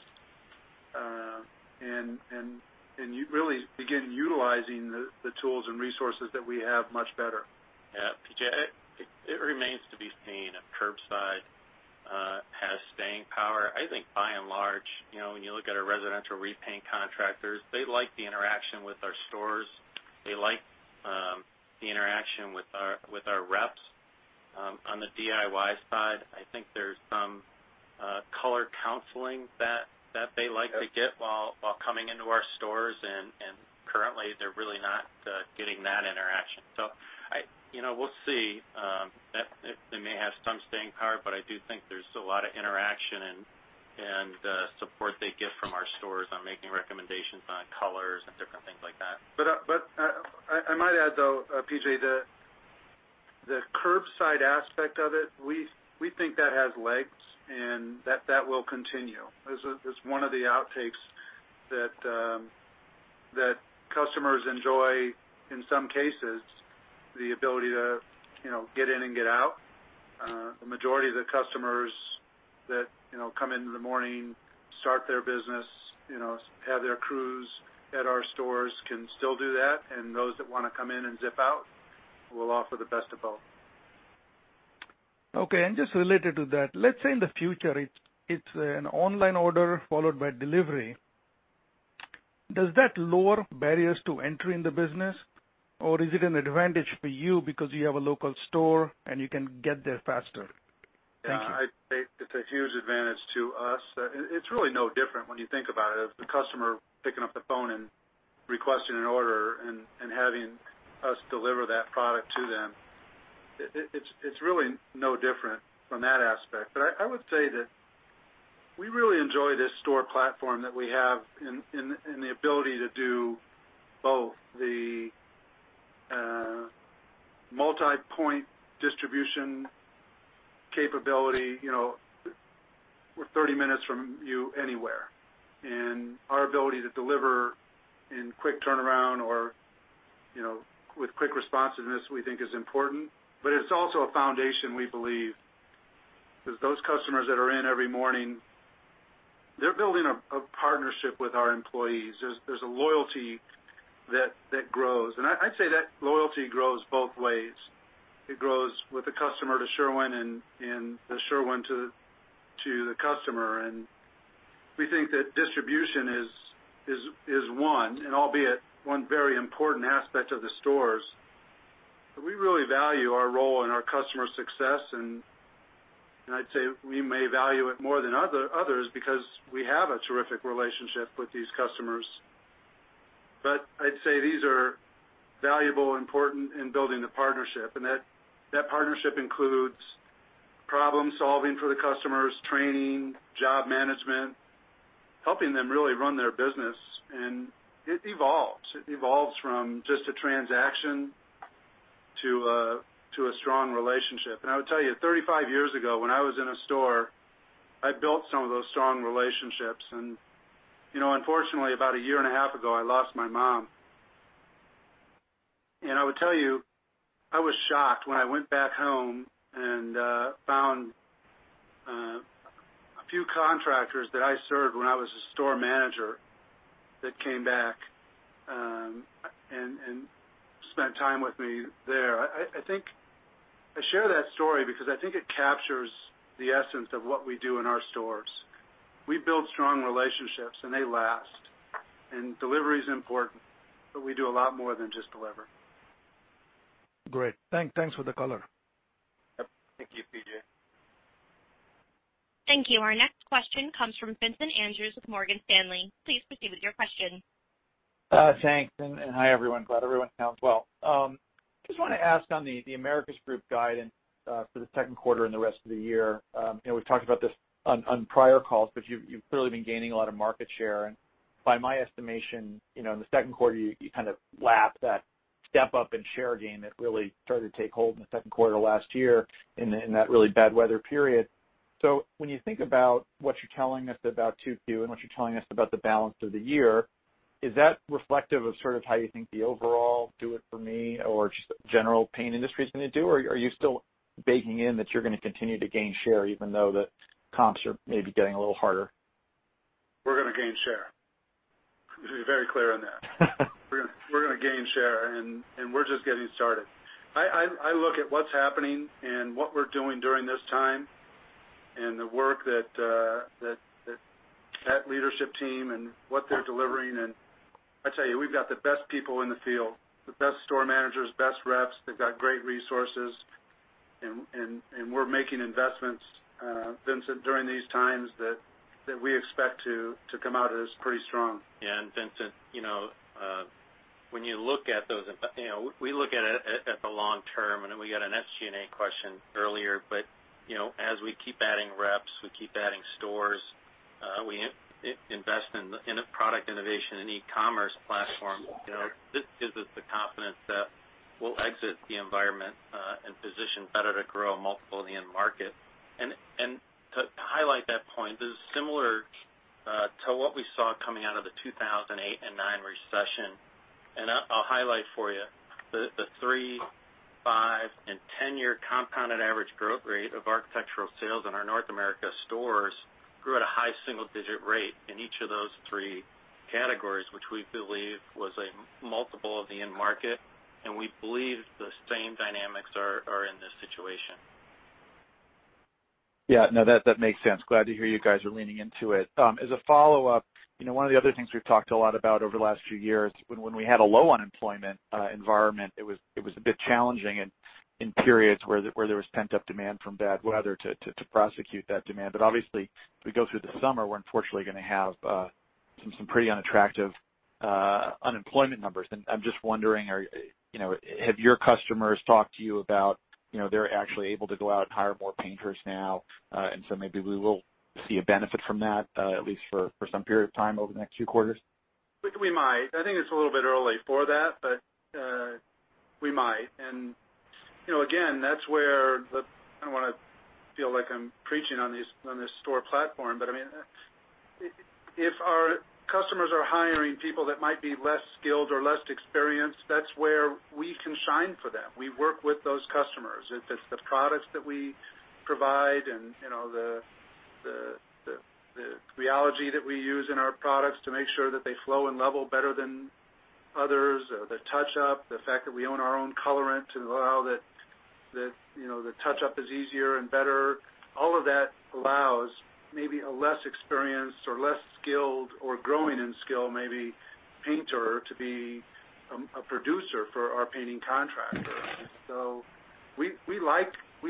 [SPEAKER 2] and you really begin utilizing the tools and resources that we have much better.
[SPEAKER 5] Yeah. PJ, it remains to be seen if curbside has staying power. I think by and large, when you look at our residential repaint contractors, they like the interaction with our stores. They like the interaction with our reps. On the DIY side, I think there's some color counseling that they like to get while coming into our stores, Currently, they're really not getting that interaction. We'll see. It may have some staying power, I do think there's a lot of interaction and support they get from our stores on making recommendations on colors and different things like that.
[SPEAKER 2] I might add, though, PJ, the curbside aspect of it, we think that has legs and that will continue. It's one of the outtakes that customers enjoy, in some cases, the ability to get in and get out. The majority of the customers that come in in the morning, start their business, have their crews at our stores can still do that, and those that want to come in and zip out, we'll offer the best of both.
[SPEAKER 12] Okay, just related to that, let's say in the future, it's an online order followed by delivery. Does that lower barriers to entry in the business, or is it an advantage for you because you have a local store and you can get there faster? Thank you.
[SPEAKER 2] Yeah. I'd say it's a huge advantage to us. It's really no different when you think about it, of the customer picking up the phone and requesting an order and having us deliver that product to them. It's really no different from that aspect. I would say that we really enjoy this store platform that we have and the ability to do both the multipoint distribution capability. We're 30-minutes from you anywhere, and our ability to deliver in quick turnaround or with quick responsiveness, we think is important. It's also a foundation we believe because those customers that are in every morning, they're building a partnership with our employees. There's a loyalty that grows. I'd say that loyalty grows both ways. It grows with the customer to Sherwin and Sherwin to the customer. We think that distribution is one, albeit one very important aspect of the stores. We really value our role in our customers' success, and I'd say we may value it more than others because we have a terrific relationship with these customers. I'd say these are valuable, important in building the partnership, and that partnership includes problem-solving for the customers, training, job management, helping them really run their business, and it evolves. It evolves from just a transaction to a strong relationship. I would tell you, 35 years ago, when I was in a store, I built some of those strong relationships. Unfortunately, about a year and a half ago, I lost my mom. I would tell you, I was shocked when I went back home and found a few contractors that I served when I was a store manager that came back and spent time with me there. I share that story because I think it captures the essence of what we do in our stores. We build strong relationships, and they last. Delivery is important, but we do a lot more than just deliver.
[SPEAKER 12] Great. Thanks for the color.
[SPEAKER 2] Yep. Thank you, PJ.
[SPEAKER 1] Thank you. Our next question comes from Vincent Andrews with Morgan Stanley. Please proceed with your question.
[SPEAKER 13] Thanks. Hi, everyone. Glad everyone sounds well. Just want to ask on The Americas Group guidance for the second quarter and the rest of the year. We've talked about this on prior calls. You've clearly been gaining a lot of market share. By my estimation, in the second quarter, you kind of lapped that step up in share gain that really started to take hold in the second quarter last year in that really bad weather period. When you think about what you're telling us about 2Q and what you're telling us about the balance of the year, is that reflective of sort of how you think the overall do-it-for-me or just the general paint industry's going to do? Are you still baking in that you're going to continue to gain share even though the comps are maybe getting a little harder?
[SPEAKER 2] We're going to gain share. To be very clear on that. We're going to gain share, and we're just getting started. I look at what's happening and what we're doing during this time and the work that leadership team and what they're delivering. I tell you, we've got the best people in the field, the best store managers, best reps. They've got great resources, and we're making investments, Vincent, during these times that we expect to come out as pretty strong.
[SPEAKER 5] Yeah. Vincent, we look at the long term, we got an SG&A question earlier, as we keep adding reps, we keep adding stores, we invest in product innovation and e-commerce platform. This gives us the confidence that we'll exit the environment and position better to grow a multiple of the end market. To highlight that point, this is similar to what we saw coming out of the 2008 and 2009 recession. I'll highlight for you the three, five, and 10-year compounded average growth rate of architectural sales in our North America stores grew at a high single-digit rate in each of those three categories, which we believe was a multiple of the end market, we believe the same dynamics are in this situation.
[SPEAKER 13] Yeah. No, that makes sense. Glad to hear you guys are leaning into it. As a follow-up, one of the other things we've talked a lot about over the last few years, when we had a low unemployment environment, it was a bit challenging in periods where there was pent-up demand from bad weather to prosecute that demand. Obviously, as we go through the summer, we're unfortunately going to have some pretty unattractive unemployment numbers. I'm just wondering, have your customers talked to you about they're actually able to go out and hire more painters now, and so maybe we will see a benefit from that at least for some period of time over the next few quarters?
[SPEAKER 2] We might. I think it's a little bit early for that, but we might. I don't want to feel like I'm preaching on this store platform, but if our customers are hiring people that might be less skilled or less experienced, that's where we can shine for them. We work with those customers. If it's the products that we provide and the rheology that we use in our products to make sure that they flow and level better than others, the touch-up, the fact that we own our own colorant to allow that the touch-up is easier and better. All of that allows maybe a less experienced or less skilled or growing in skill, maybe painter to be a producer for our painting contractor. We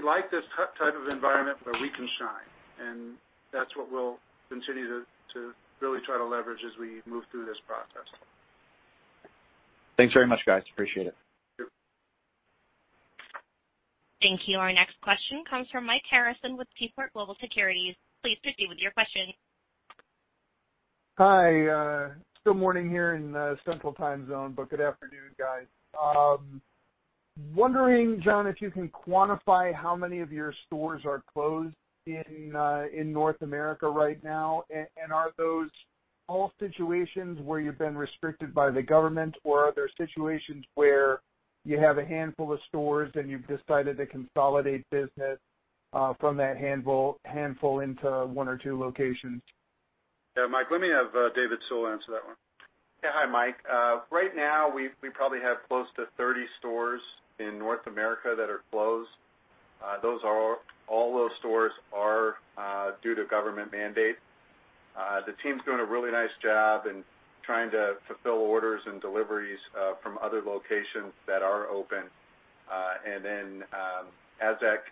[SPEAKER 2] like this type of environment where we can shine, and that's what we'll continue to really try to leverage as we move through this process.
[SPEAKER 13] Thanks very much, guys. Appreciate it.
[SPEAKER 2] Sure.
[SPEAKER 1] Thank you. Our next question comes from Mike Harrison with Seaport Global Securities. Please proceed with your question.
[SPEAKER 14] Hi. Still morning here in the Central Time Zone. Good afternoon, guys. Wondering, John, if you can quantify how many of your stores are closed in North America right now? Are those all situations where you've been restricted by the government, or are there situations where you have a handful of stores and you've decided to consolidate business from that handful into one or two locations?
[SPEAKER 2] Yeah, Mike, let me have David Sewell answer that one.
[SPEAKER 4] Yeah. Hi, Mike. Right now, we probably have close to 30 stores in North America that are closed. All those stores are due to government mandate. The team's doing a really nice job in trying to fulfill orders and deliveries from other locations that are open. As that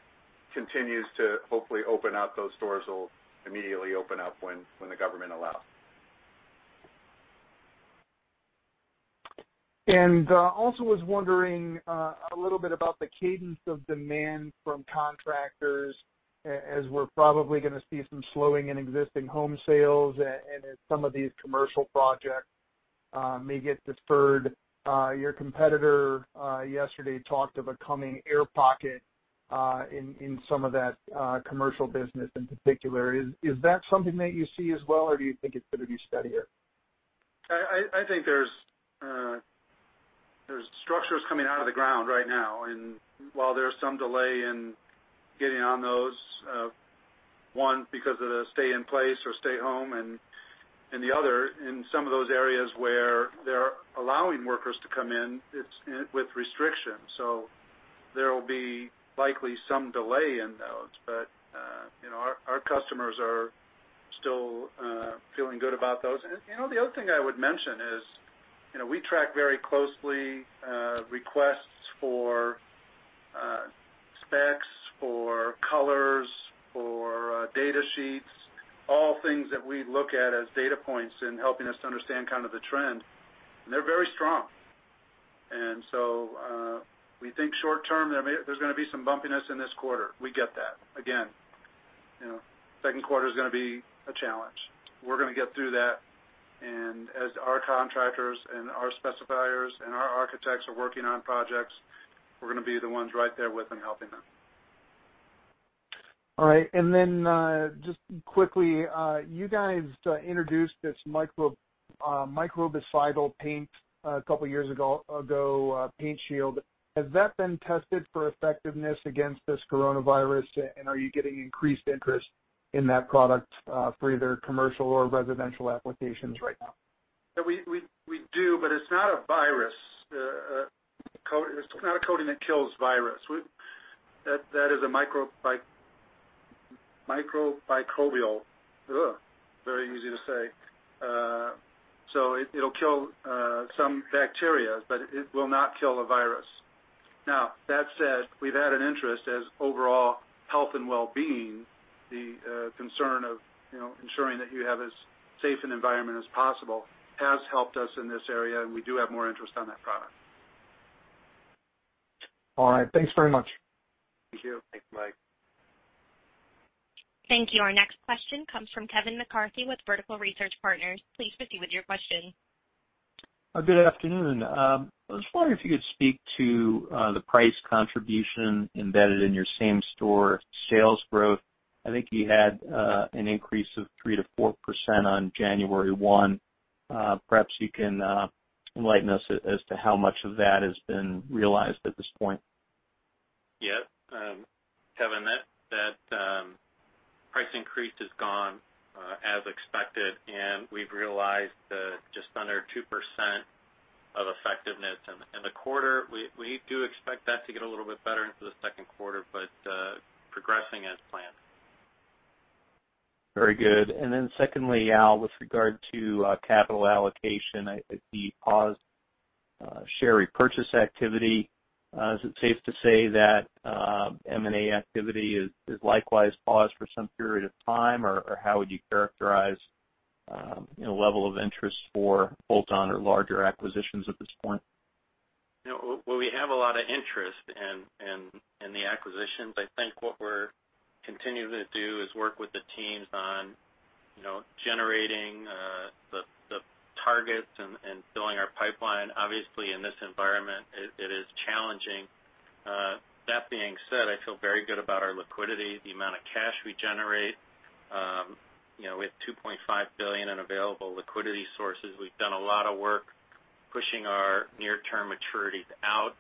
[SPEAKER 4] continues to hopefully open up, those stores will immediately open up when the government allows.
[SPEAKER 14] Also was wondering a little bit about the cadence of demand from contractors as we're probably going to see some slowing in existing home sales and in some of these commercial projects may get deferred. Your competitor yesterday talked of a coming air pocket in some of that commercial business in particular. Is that something that you see as well, or do you think it's going to be steadier?
[SPEAKER 2] I think there's structures coming out of the ground right now, while there's some delay in getting on those, one, because of the stay in place or stay home, and the other, in some of those areas where they're allowing workers to come in, it's with restrictions. There'll be likely some delay in those. Our customers are still feeling good about those. The other thing I would mention is, we track very closely requests for specs, for colors, for data sheets, all things that we look at as data points in helping us to understand the trend. They're very strong. We think short term, there's going to be some bumpiness in this quarter. We get that. Again, second quarter's going to be a challenge. We're going to get through that, and as our contractors and our specifiers and our architects are working on projects, we're going to be the ones right there with them helping them.
[SPEAKER 14] All right. Just quickly, you guys introduced this microbicidal paint a couple of years ago, Paint Shield. Has that been tested for effectiveness against this coronavirus? Are you getting increased interest in that product for either commercial or residential applications right now?
[SPEAKER 2] We do. It's not a coating that kills virus. That is a microbial. Very easy to say. It'll kill some bacteria, but it will not kill a virus. That said, we've had an interest as overall health and well-being, the concern of ensuring that you have as safe an environment as possible, has helped us in this area, and we do have more interest on that product.
[SPEAKER 14] All right. Thanks very much.
[SPEAKER 2] Thank you.
[SPEAKER 5] Thanks, Mike.
[SPEAKER 1] Thank you. Our next question comes from Kevin McCarthy with Vertical Research Partners. Please proceed with your question.
[SPEAKER 15] Good afternoon. I was wondering if you could speak to the price contribution embedded in your same-store sales growth. I think you had an increase of 3%-4% on January 1. Perhaps you can enlighten us as to how much of that has been realized at this point.
[SPEAKER 5] Yep. Kevin, that price increase has gone as expected, and we've realized just under 2% of effectiveness in the quarter. We do expect that to get a little bit better into the second quarter, but progressing as planned.
[SPEAKER 15] Very good. Secondly, Al, with regard to capital allocation, the paused share repurchase activity, is it safe to say that M&A activity is likewise paused for some period of time, or how would you characterize level of interest for bolt-on or larger acquisitions at this point?
[SPEAKER 5] We have a lot of interest in the acquisitions. I think what we're continuing to do is work with the teams on generating the targets and filling our pipeline. Obviously, in this environment, it is challenging. That being said, I feel very good about our liquidity, the amount of cash we generate. We have $2.5 billion in available liquidity sources. We've done a lot of work pushing our near-term maturities out.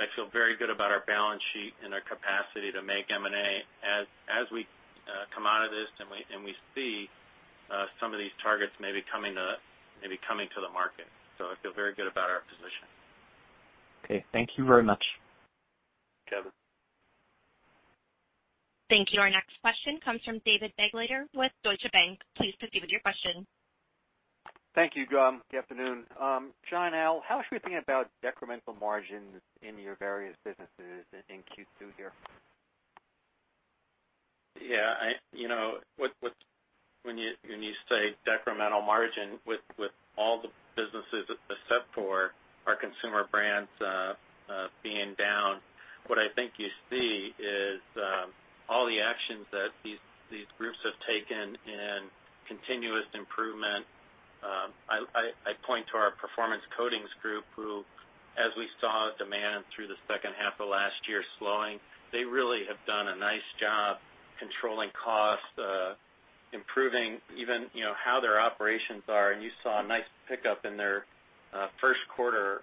[SPEAKER 5] I feel very good about our balance sheet and our capacity to make M&A as we come out of this and we see some of these targets maybe coming to the market. I feel very good about our position.
[SPEAKER 15] Okay. Thank you very much.
[SPEAKER 5] Kevin.
[SPEAKER 1] Thank you. Our next question comes from David Begleiter with Deutsche Bank. Please proceed with your question.
[SPEAKER 16] Thank you. Good afternoon. John, Al, how should we think about decremental margins in your various businesses in Q2 here?
[SPEAKER 5] When you say decremental margin with all the businesses except for our Consumer Brands being down, what I think you see is all the actions that these groups have taken in continuous improvement. I point to our Performance Coatings Group, who, as we saw demand through the second half of last year slowing, they really have done a nice job controlling costs, improving even how their operations are. You saw a nice pickup in their first quarter,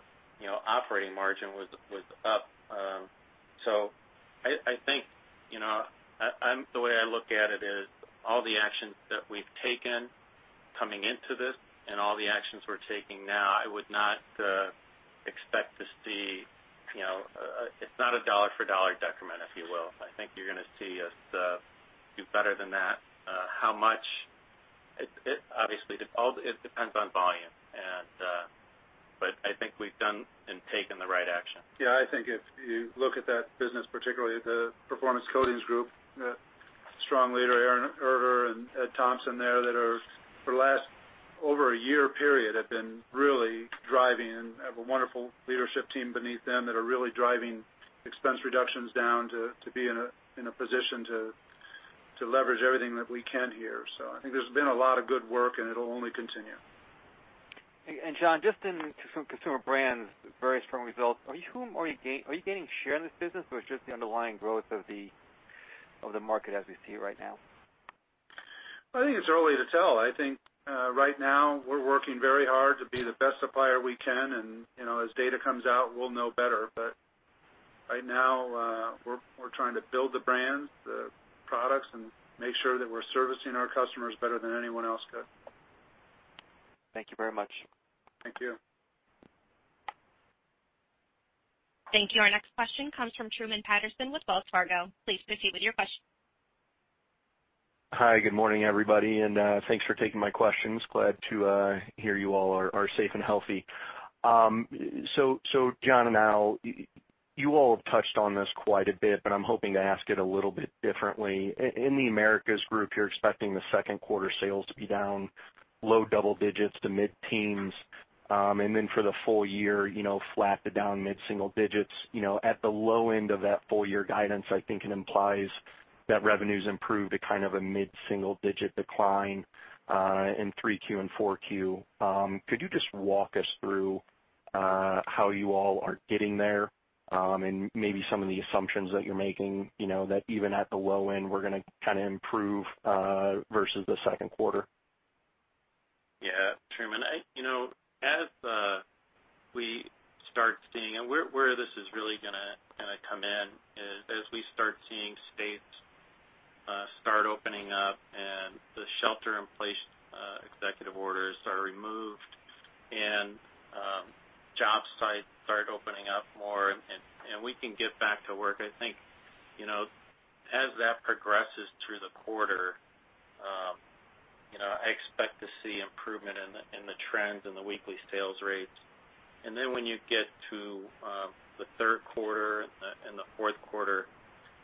[SPEAKER 5] operating margin was up. I think, the way I look at it is all the actions that we've taken coming into this and all the actions we're taking now, it's not a dollar for dollar decrement, if you will. I think you're going to see us do better than that. How much? Obviously, it depends on volume. I think we've done and taken the right action.
[SPEAKER 2] Yeah, I think if you look at that business, particularly the Performance Coatings Group, the strong leader, Aaron Erter and Ed Thompson there that are, for the last over a year period, have been really driving and have a wonderful leadership team beneath them that are really driving expense reductions down to be in a position to leverage everything that we can here. I think there's been a lot of good work, and it'll only continue.
[SPEAKER 16] John, just in Consumer Brands, very strong results. Are you gaining share in this business, or it's just the underlying growth of the market as we see it right now?
[SPEAKER 2] I think it's early to tell. I think right now we're working very hard to be the best supplier we can, and as data comes out, we'll know better. Right now, we're trying to build the brands, the products, and make sure that we're servicing our customers better than anyone else could.
[SPEAKER 16] Thank you very much.
[SPEAKER 2] Thank you.
[SPEAKER 1] Thank you. Our next question comes from Truman Patterson with Wells Fargo. Please proceed with your question.
[SPEAKER 17] Good morning, everybody, thanks for taking my questions. Glad to hear you all are safe and healthy. John and Al, you all have touched on this quite a bit, but I'm hoping to ask it a little bit differently. In The Americas Group, you're expecting the second quarter sales to be down low double digits to mid-teens. For the full-year, flat to down mid-single digits. At the low end of that full-year guidance, I think it implies that revenues improved a kind of a mid-single digit decline in 3Q and 4Q. Could you just walk us through how you all are getting there? Maybe some of the assumptions that you're making, that even at the low end, we're going to kind of improve, versus the second quarter.
[SPEAKER 5] Truman, as we start seeing, where this is really going to kind of come in is as we start seeing states start opening up and the shelter-in-place executive orders are removed and job sites start opening up more and we can get back to work, I think, as that progresses through the quarter, I expect to see improvement in the trends and the weekly sales rates. When you get to the third quarter and the fourth quarter,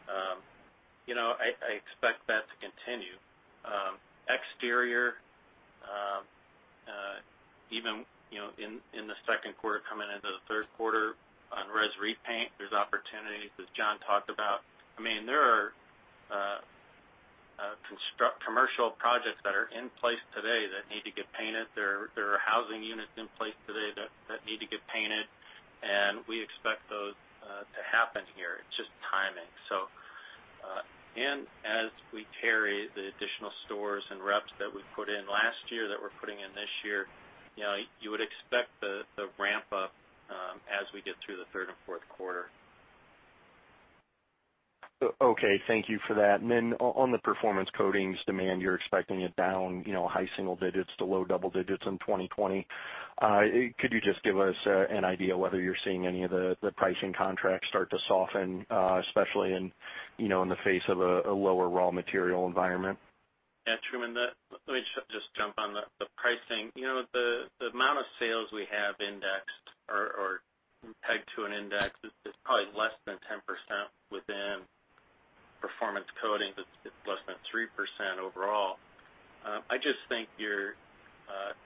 [SPEAKER 5] I expect that to continue. Exterior, even in the second quarter, coming into the third quarter on res repaint, there's opportunities, as John talked about. There are commercial projects that are in place today that need to get painted. There are housing units in place today that need to get painted, and we expect those to happen here. It's just timing. As we carry the additional stores and reps that we've put in last year, that we're putting in this year, you would expect the ramp-up, as we get through the third and fourth quarter.
[SPEAKER 17] Okay. Thank you for that. On the Performance Coatings demand, you're expecting it down high single digits to low double digits in 2020. Could you just give us an idea whether you're seeing any of the pricing contracts start to soften, especially in the face of a lower raw material environment?
[SPEAKER 5] Yeah, Truman, let me just jump on the pricing. The amount of sales we have indexed or pegged to an index is probably less than 10% within Performance Coatings. It's less than 3% overall. I just think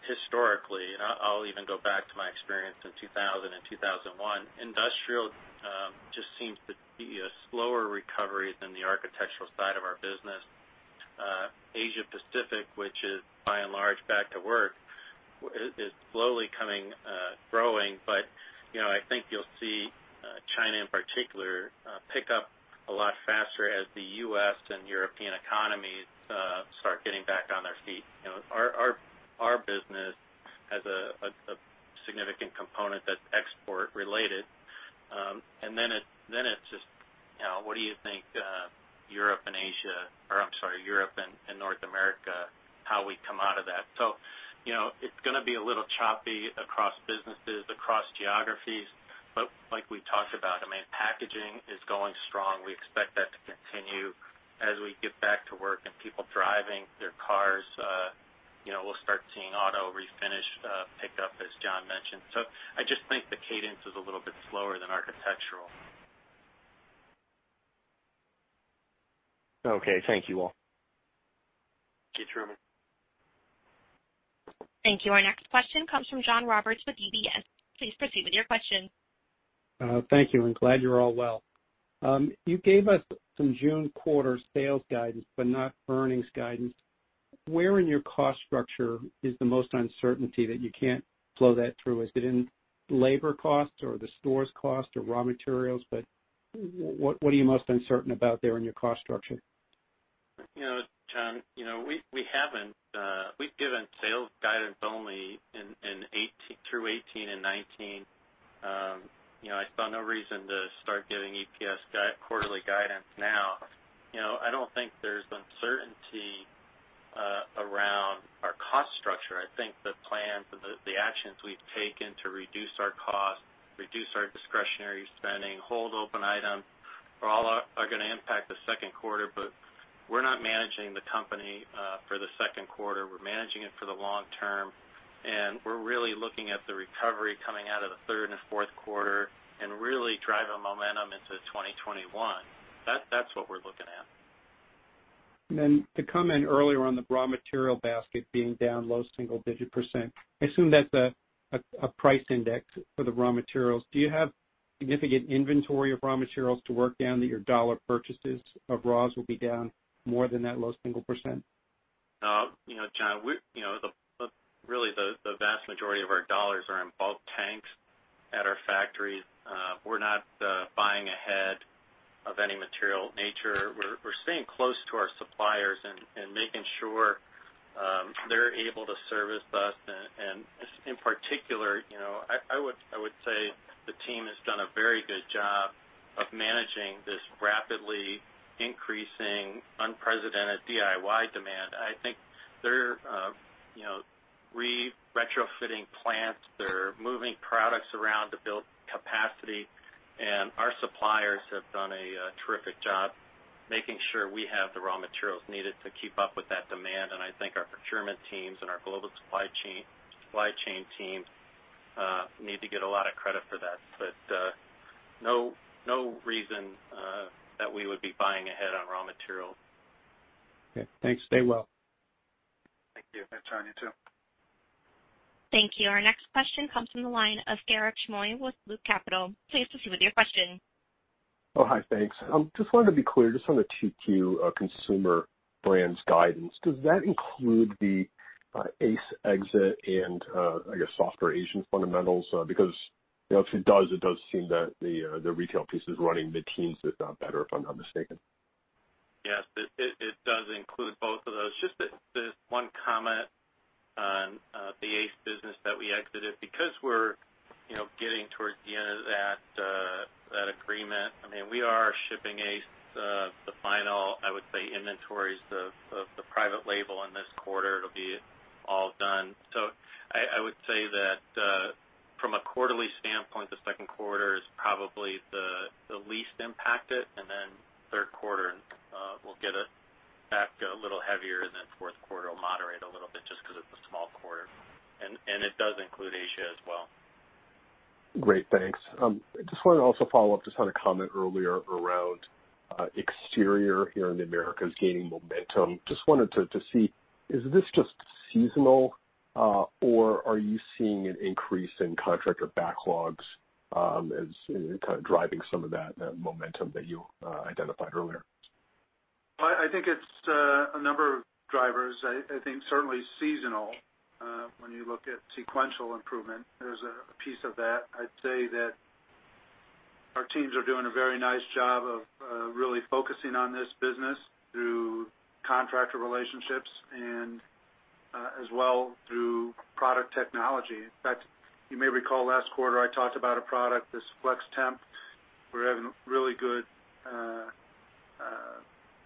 [SPEAKER 5] historically, I'll even go back to my experience in 2000 and 2001, industrial just seems to be a slower recovery than the architectural side of our business. Asia Pacific, which is by and large back to work, is slowly growing, I think you'll see China in particular, pick up a lot faster as the U.S. and European economies start getting back on their feet. Our business has a significant component that's export-related. It's just, what do you think Europe and North America, how we come out of that? It's going to be a little choppy across businesses, across geographies, but like we talked about, packaging is going strong. We expect that to continue as we get back to work and people driving their cars, we'll start seeing auto refinish pick up, as John mentioned. I just think the cadence is a little bit slower than architectural.
[SPEAKER 17] Okay. Thank you all.
[SPEAKER 5] Okay, Truman.
[SPEAKER 1] Thank you. Our next question comes from John Roberts with UBS. Please proceed with your question.
[SPEAKER 18] Thank you, and glad you're all well. You gave us some June quarter sales guidance, but not earnings guidance. Where in your cost structure is the most uncertainty that you can't flow that through? Is it in labor cost or the stores cost or raw materials, but what are you most uncertain about there in your cost structure?
[SPEAKER 5] John, we've given sales guidance only through 2018 and 2019. I saw no reason to start giving EPS quarterly guidance now. I don't think there's uncertainty around our cost structure. I think the plans and the actions we've taken to reduce our costs, reduce our discretionary spending, hold open items are going to impact the second quarter, but we're not managing the company for the second quarter. We're managing it for the long term, and we're really looking at the recovery coming out of the third and fourth quarter and really driving momentum into 2021. That's what we're looking at.
[SPEAKER 18] Then the comment earlier on the raw material basket being down low single-digit percent. I assume that's a price index for the raw materials. Do you have significant inventory of raw materials to work down that your dollar purchases of raws will be down more than that low single percent?
[SPEAKER 5] No. John, really the vast majority of our dollars are in bulk tanks at our factories. We're not buying ahead of any material nature. We're staying close to our suppliers and making sure they're able to service us. In particular, I would say the team has done a very good job of managing this rapidly increasing, unprecedented DIY demand. I think they're retrofitting plants. They're moving products around to build capacity, and our suppliers have done a terrific job making sure we have the raw materials needed to keep up with that demand. I think our procurement teams and our global supply chain teams need to get a lot of credit for that. No reason that we would be buying ahead on raw materials.
[SPEAKER 18] Okay, thanks. Stay well.
[SPEAKER 5] Thank you.
[SPEAKER 2] Yeah, John, you too.
[SPEAKER 1] Thank you. Our next question comes from the line of Garik Shmois with Loop Capital. Please proceed with your question.
[SPEAKER 19] Oh, hi, thanks. Just wanted to be clear, just on the 2Q Consumer Brands Group guidance. Does that include the ACE exit and, I guess, softer Asian fundamentals? If it does, it does seem that the retail piece is running mid-teens, if not better, if I'm not mistaken.
[SPEAKER 5] Yes, it does include both of those. Just one comment on the ACE business that we exited. Because we're getting towards the end of that agreement, we are shipping ACE the final, I would say, inventories of the private label in this quarter. It'll be all done. I would say that from a quarterly standpoint, the second quarter is probably the least impacted, and then third quarter will get it back a little heavier, and then fourth quarter will moderate a little bit just because it's a small quarter. It does include Asia as well.
[SPEAKER 19] Great, thanks. Just wanted to also follow up, just on a comment earlier around exterior here in The Americas gaining momentum. Just wanted to see, is this just seasonal, or are you seeing an increase in contractor backlogs as kind of driving some of that momentum that you identified earlier?
[SPEAKER 2] I think it's a number of drivers. I think certainly seasonal, when you look at sequential improvement, there's a piece of that. I'd say that our teams are doing a very nice job of really focusing on this business through contractor relationships and as well through product technology. In fact, you may recall last quarter I talked about a product, this Flex-Temp. We're having really good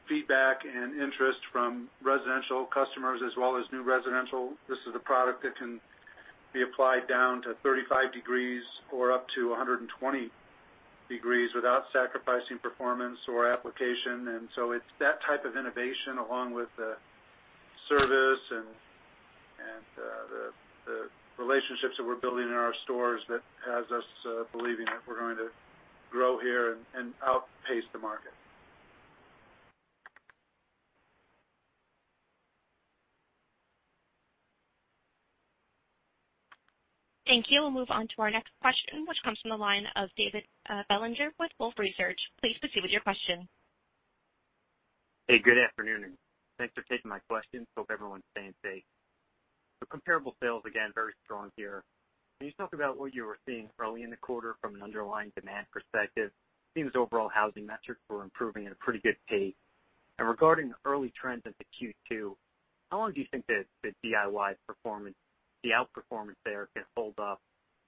[SPEAKER 2] feedback and interest from residential customers as well as new residential. This is a product that can be applied down to 35 degrees or up to 120 degrees without sacrificing performance or application. It's that type of innovation, along with the service and the relationships that we're building in our stores that has us believing that we're going to grow here and outpace the market.
[SPEAKER 1] Thank you. We'll move on to our next question, which comes from the line of David Bellinger with Wolfe Research. Please proceed with your question.
[SPEAKER 20] Hey, good afternoon, and thanks for taking my question. Hope everyone's staying safe. Comparable sales, again, very strong here. Can you just talk about what you were seeing early in the quarter from an underlying demand perspective? It seems overall housing metrics were improving at a pretty good pace. Regarding the early trends into Q2, how long do you think the DIY performance, the outperformance there, can hold up?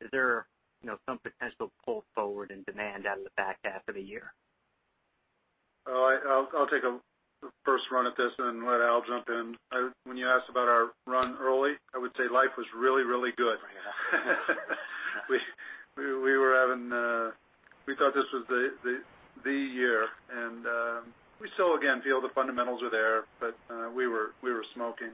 [SPEAKER 20] Is there some potential pull forward in demand out of the back half of the year?
[SPEAKER 2] Oh, I'll take a 1st run at this and let Al jump in. When you asked about our run early, I would say life was really, really good. We thought this was the year, and we still, again, feel the fundamentals are there, but we were smoking.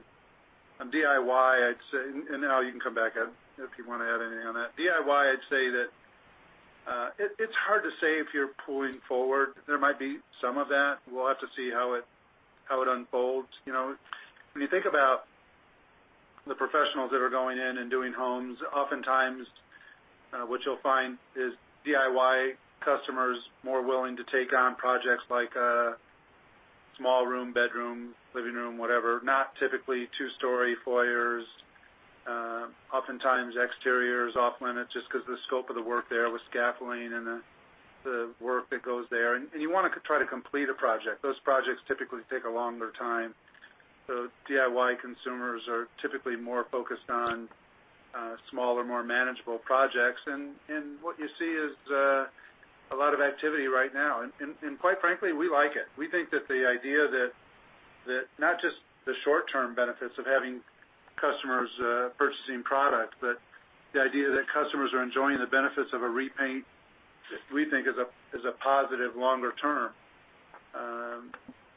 [SPEAKER 2] On DIY, I'd say, and Al, you can come back if you want to add anything on that. DIY, I'd say that it's hard to say if you're pulling forward. There might be some of that. We'll have to see how it unfolds. When you think about the professionals that are going in and doing homes, oftentimes what you'll find is DIY customers more willing to take on projects like a small room, bedroom, living room, whatever. Not typically two-story foyers. Oftentimes, exterior is off limits just because the scope of the work there with scaffolding and the work that goes there. You want to try to complete a project. Those projects typically take a longer time. DIY consumers are typically more focused on smaller, more manageable projects. What you see is a lot of activity right now. Quite frankly, we like it. We think that the idea that not just the short-term benefits of having customers purchasing product, but the idea that customers are enjoying the benefits of a repaint, we think is a positive longer term.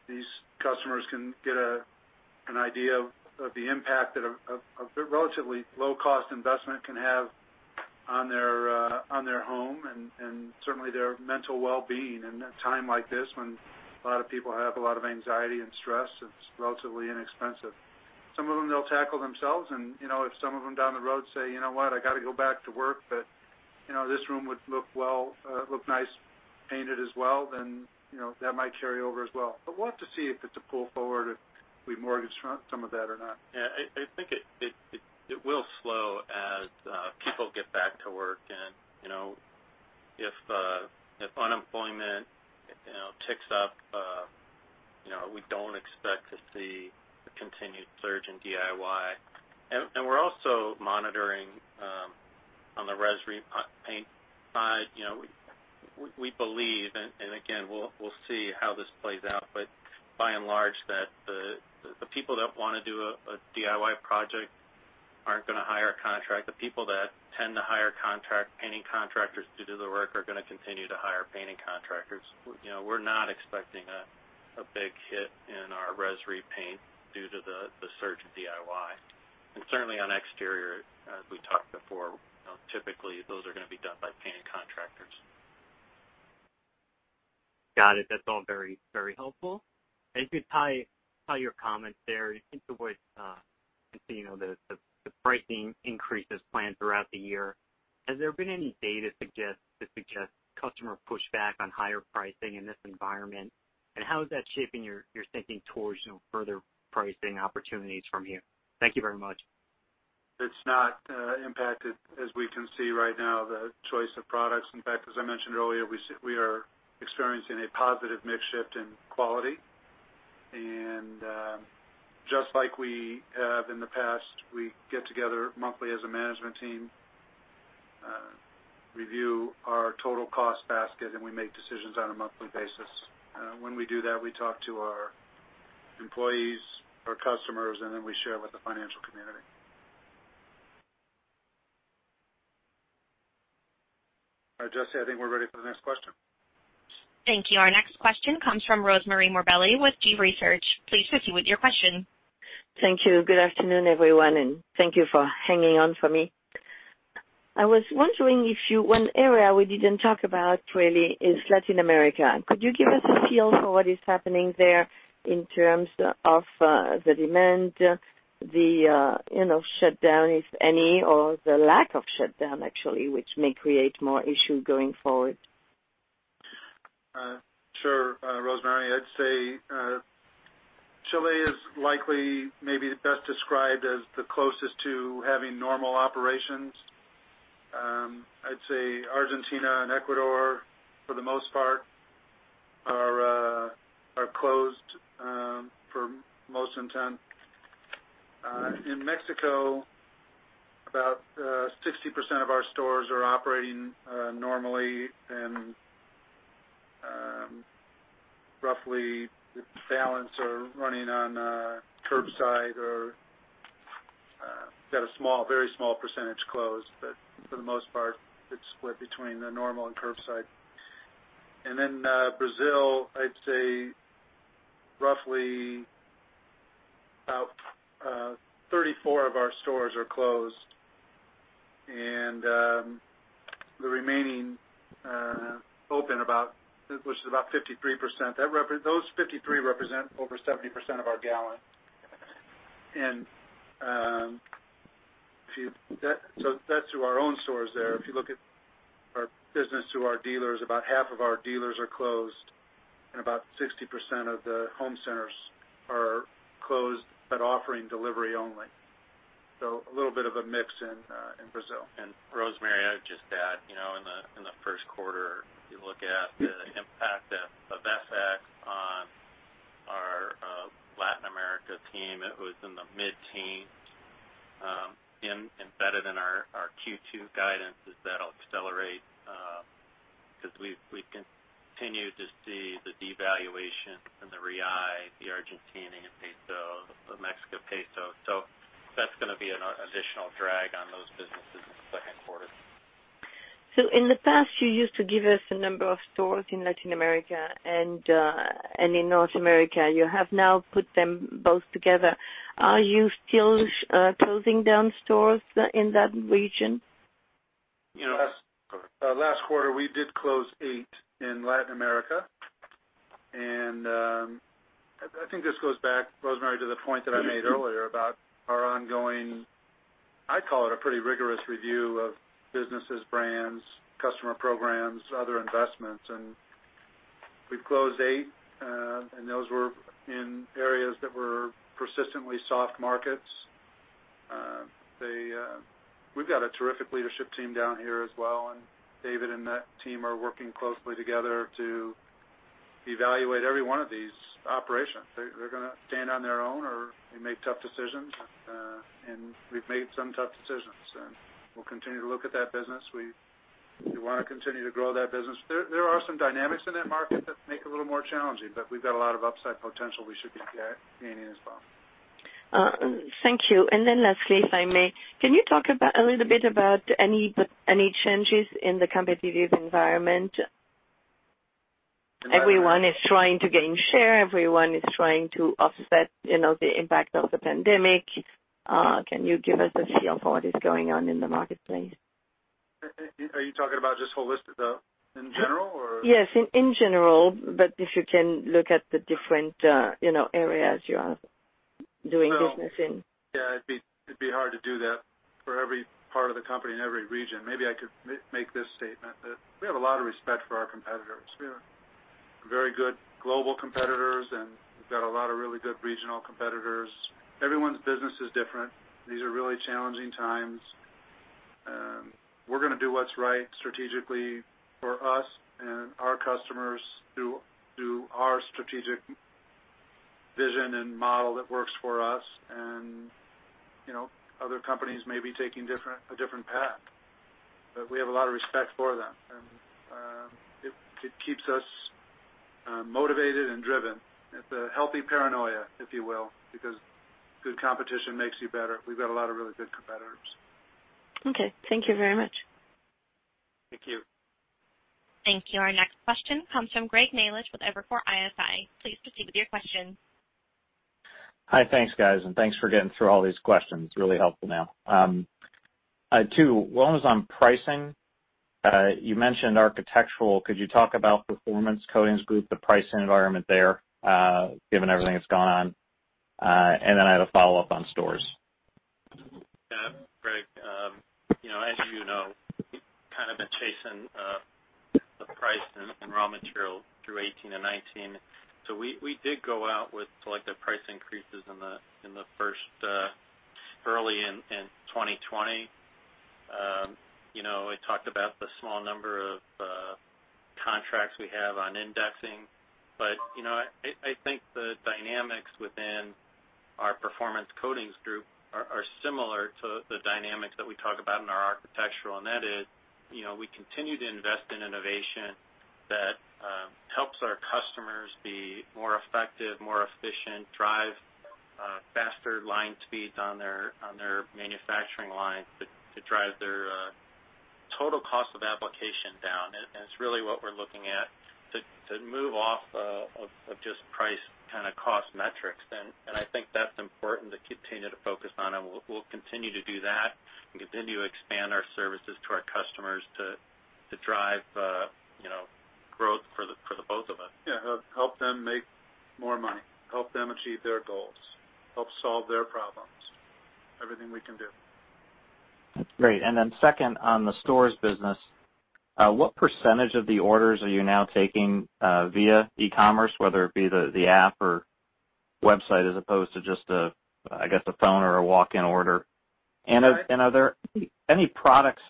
[SPEAKER 2] These customers can get an idea of the impact that a relatively low-cost investment can have on their home and certainly their mental well-being in a time like this when a lot of people have a lot of anxiety and stress. It's relatively inexpensive. Some of them they'll tackle themselves, and if some of them down the road say, You know what? I got to go back to work, but this room would look nice painted as well, then that might carry over as well. We'll have to see if it's a pull forward, if we mortgage some of that or not.
[SPEAKER 5] Yeah. I think it will slow as people get back to work, if unemployment ticks up, we don't expect to see a continued surge in DIY. We're also monitoring on the res repaint side. We believe, again, we'll see how this plays out, by and large, that the people that want to do a DIY project aren't going to hire a contract. The people that tend to hire contract painting contractors to do the work are going to continue to hire painting contractors. We're not expecting a big hit in our res repaint due to the surge in DIY. Certainly on exterior, as we talked before, typically those are going to be done by painting contractors.
[SPEAKER 20] Got it. That's all very helpful. If you tie your comments there into the pricing increases planned throughout the year, has there been any data to suggest customer pushback on higher pricing in this environment, and how is that shaping your thinking towards further pricing opportunities from here? Thank you very much.
[SPEAKER 2] It's not impacted as we can see right now, the choice of products. In fact, as I mentioned earlier, we are experiencing a positive mix shift in quality. Just like we have in the past, we get together monthly as a management team, review our total cost basket, and we make decisions on a monthly basis. When we do that, we talk to our employees, our customers, and then we share with the financial community. Jesse, I think we're ready for the next question.
[SPEAKER 1] Thank you. Our next question comes from Rosemarie Morbelli with G. Research. Please proceed with your question.
[SPEAKER 21] Thank you. Good afternoon, everyone, and thank you for hanging on for me. I was wondering, one area we didn't talk about really is Latin America. Could you give us a feel for what is happening there in terms of the demand, the shutdown, if any, or the lack of shutdown, actually, which may create more issues going forward?
[SPEAKER 2] Sure. Rosemarie, I'd say Chile is likely maybe best described as the closest to having normal operations. I'd say Argentina and Ecuador, for the most part, are closed for the most extent. In Mexico, about 60% of our stores are operating normally, and roughly the balance are running on curbside or got a very small percentage closed. For the most part, it's split between the normal and curbside. Brazil, I'd say roughly about 34 of our stores are closed, and the remaining open, which is about 53%. Those 53 represent over 70% of our gallon. That's through our own stores there. If you look at our business through our dealers, about half of our dealers are closed and about 60% of the home centers are closed, but offering delivery only. A little bit of a mix in Brazil.
[SPEAKER 5] Rosemarie, I'd just add, in the first quarter, if you look at the impact of FX on our Latin America team, it was in the mid-teens. Embedded in our Q2 guidance is that'll accelerate, because we continue to see the devaluation in the Real, the Argentine peso, the Mexican peso. That's going to be an additional drag on those businesses in the second quarter.
[SPEAKER 21] In the past, you used to give us a number of stores in Latin America and in North America. You have now put them both together. Are you still closing down stores in that region?
[SPEAKER 2] Last quarter, we did close eight in Latin America. I think this goes back, Rosemarie, to the point that I made earlier about our ongoing, I call it a pretty rigorous review of businesses, brands, customer programs, other investments. We've closed eight, and those were in areas that were persistently soft markets. We've got a terrific leadership team down here as well, and David and that team are working closely together to evaluate every one of these operations. They're going to stand on their own or we make tough decisions. We've made some tough decisions, and we'll continue to look at that business. We want to continue to grow that business. There are some dynamics in that market that make it a little more challenging, but we've got a lot of upside potential we should be gaining as well.
[SPEAKER 21] Thank you. Lastly, if I may, can you talk a little bit about any changes in the competitive environment? Everyone is trying to gain share. Everyone is trying to offset the impact of the pandemic. Can you give us a feel for what is going on in the marketplace?
[SPEAKER 2] Are you talking about just holistic though, in general or?
[SPEAKER 21] Yes, in general, if you can look at the different areas you are doing business in.
[SPEAKER 2] Yeah, it'd be hard to do that for every part of the company in every region. Maybe I could make this statement, that we have a lot of respect for our competitors. We have very good global competitors, and we've got a lot of really good regional competitors. Everyone's business is different. These are really challenging times. We're going to do what's right strategically for us and our customers through our strategic vision and model that works for us. Other companies may be taking a different path, but we have a lot of respect for them, and it keeps us motivated and driven. It's a healthy paranoia, if you will, because good competition makes you better. We've got a lot of really good competitors.
[SPEAKER 21] Okay. Thank you very much.
[SPEAKER 2] Thank you.
[SPEAKER 1] Thank you. Our next question comes from Greg Melich with Evercore ISI. Please proceed with your question.
[SPEAKER 22] Hi. Thanks, guys. Thanks for getting through all these questions. Really helpful now. Two, one was on pricing. You mentioned architectural. Could you talk about Performance Coatings Group, the pricing environment there, given everything that's gone on? I had a follow-up on stores.
[SPEAKER 5] Greg. As you know, we've kind of been chasing the price in raw material through 2018 and 2019. We did go out with selective price increases early in 2020. We talked about the small number of contracts we have on indexing. I think the dynamics within our Performance Coatings Group are similar to the dynamics that we talk about in our architectural. That is, we continue to invest in innovation that helps our customers be more effective, more efficient, drive faster line speeds on their manufacturing lines to drive their total cost of application down. It's really what we're looking at to move off of just price kind of cost metrics then. I think that's important to continue to focus on, and we'll continue to do that and continue to expand our services to our customers to drive growth for the both of us.
[SPEAKER 2] Yeah. Help them make more money, help them achieve their goals, help solve their problems. Everything we can do.
[SPEAKER 22] Great. 2nd, on the stores business, what percentage of the orders are you now taking via e-commerce, whether it be the app or website, as opposed to just, I guess, a phone or a walk-in order? Are there any products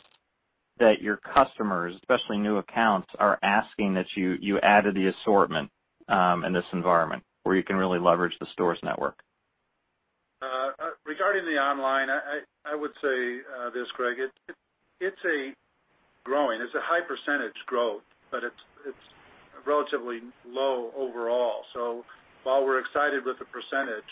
[SPEAKER 22] that your customers, especially new accounts, are asking that you add to the assortment in this environment, where you can really leverage the stores network?
[SPEAKER 2] Regarding the online, I would say this, Greg. It's growing. It's a high percentage growth. It's relatively low overall. While we're excited with the percentage,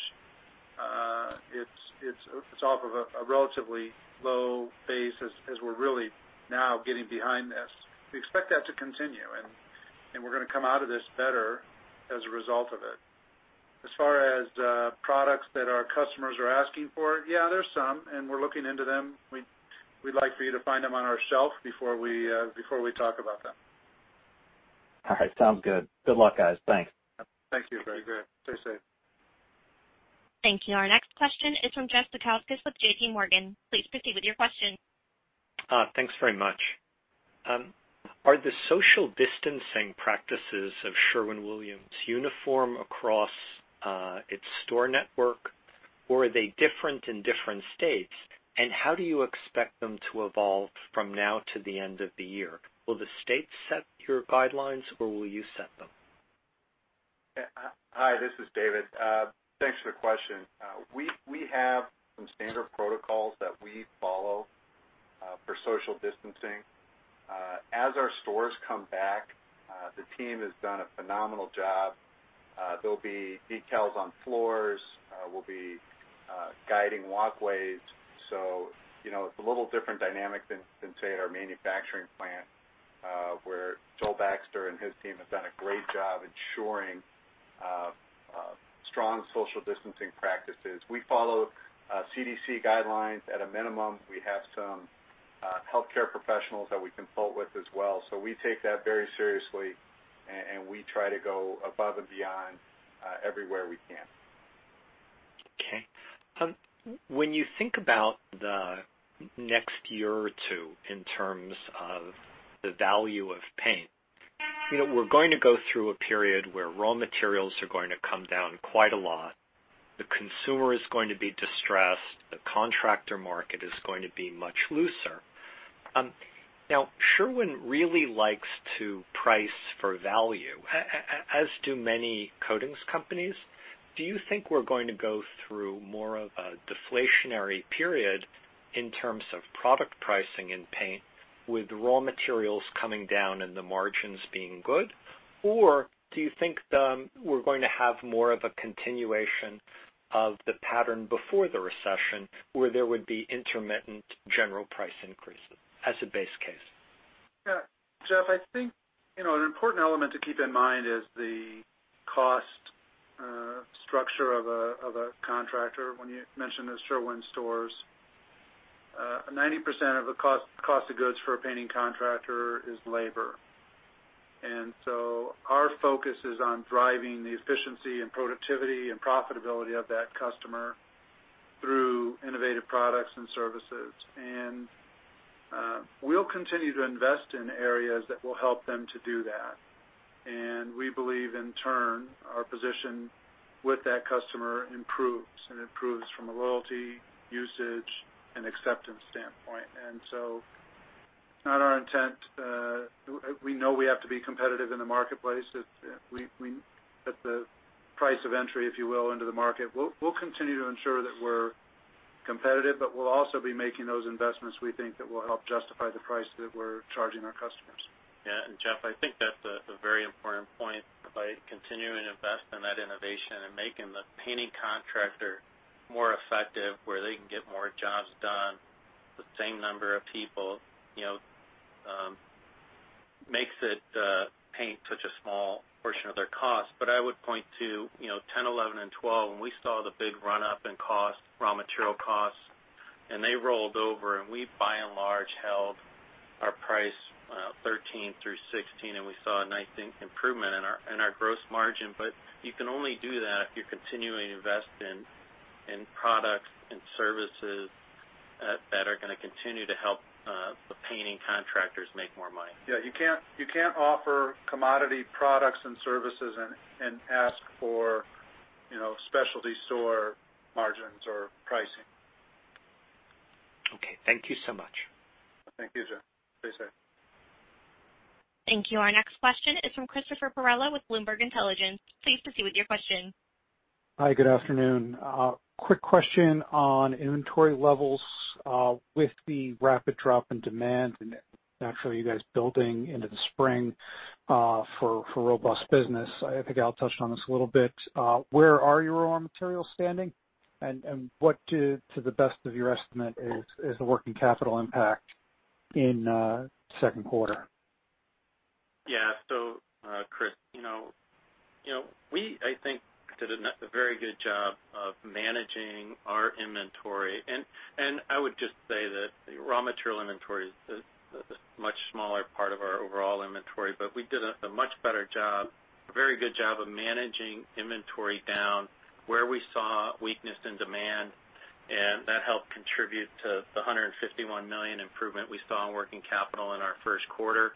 [SPEAKER 2] it's off of a relatively low base as we're really now getting behind this. We expect that to continue. We're going to come out of this better as a result of it. As far as products that our customers are asking for, yeah, there's some. We're looking into them. We'd like for you to find them on our shelf before we talk about them.
[SPEAKER 22] All right. Sounds good. Good luck, guys. Thanks.
[SPEAKER 2] Thank you, Greg.
[SPEAKER 5] You bet. Stay safe.
[SPEAKER 1] Thank you. Our next question is from Jeff Zekauskas with J.P. Morgan. Please proceed with your question.
[SPEAKER 23] Thanks very much. Are the social distancing practices of Sherwin-Williams uniform across its store network, or are they different in different states? How do you expect them to evolve from now to the end of the year? Will the state set your guidelines, or will you set them?
[SPEAKER 4] Hi, this is David. Thanks for the question. We have some standard protocols that we follow for social distancing. As our stores come back, the team has done a phenomenal job. There'll be decals on floors. We'll be guiding walkways. It's a little different dynamic than, say, at our manufacturing plant, where Joel Baxter and his team have done a great job ensuring strong social distancing practices. We follow CDC guidelines at a minimum. We have some healthcare professionals that we consult with as well. We take that very seriously, and we try to go above and beyond everywhere we can.
[SPEAKER 23] Okay. When you think about the next year or two in terms of the value of paint, we're going to go through a period where raw materials are going to come down quite a lot. The consumer is going to be distressed. The contractor market is going to be much looser. Sherwin really likes to price for value, as do many coatings companies. Do you think we're going to go through more of a deflationary period in terms of product pricing in paint with raw materials coming down and the margins being good? Do you think we're going to have more of a continuation of the pattern before the recession, where there would be intermittent general price increases as a base case?
[SPEAKER 2] Yeah. Jeff, I think an important element to keep in mind is the cost structure of a contractor. When you mentioned the Sherwin stores, 90% of the cost of goods for a painting contractor is labor. Our focus is on driving the efficiency and productivity and profitability of that customer through innovative products and services. We'll continue to invest in areas that will help them to do that. We believe, in turn, our position with that customer improves, and improves from a loyalty, usage, and acceptance standpoint. It's not our intent. We know we have to be competitive in the marketplace at the price of entry, if you will, into the market. We'll continue to ensure that we're competitive, but we'll also be making those investments we think that will help justify the price that we're charging our customers.
[SPEAKER 5] Yeah. Jeff, I think that's a very important point. By continuing to invest in that innovation and making the painting contractor more effective where they can get more jobs done, the same number of people, makes it paint such a small portion of their cost. I would point to 2010, 2011, and 2012, when we saw the big run-up in raw material costs, and they rolled over, and we, by and large, held our price 2013 through 2016, and we saw a nice improvement in our gross margin. You can only do that if you're continuing to invest in products and services that are going to continue to help the painting contractors make more money.
[SPEAKER 2] Yeah, you can't offer commodity products and services and ask for specialty store margins or pricing.
[SPEAKER 23] Okay. Thank you so much.
[SPEAKER 2] Thank you, sir. Stay safe.
[SPEAKER 1] Thank you. Our next question is from Christopher Perrella with Bloomberg Intelligence. Please proceed with your question.
[SPEAKER 24] Hi, good afternoon. Quick question on inventory levels with the rapid drop in demand and actually you guys building into the spring for robust business. I think Al touched on this a little bit. Where are your raw materials standing, and what, to the best of your estimate, is the working capital impact in second quarter?
[SPEAKER 5] Chris, we, I think, did a very good job of managing our inventory. I would just say that raw material inventory is a much smaller part of our overall inventory. We did a much better job, a very good job of managing inventory down where we saw weakness in demand, and that helped contribute to the $151 million improvement we saw in working capital in our first quarter.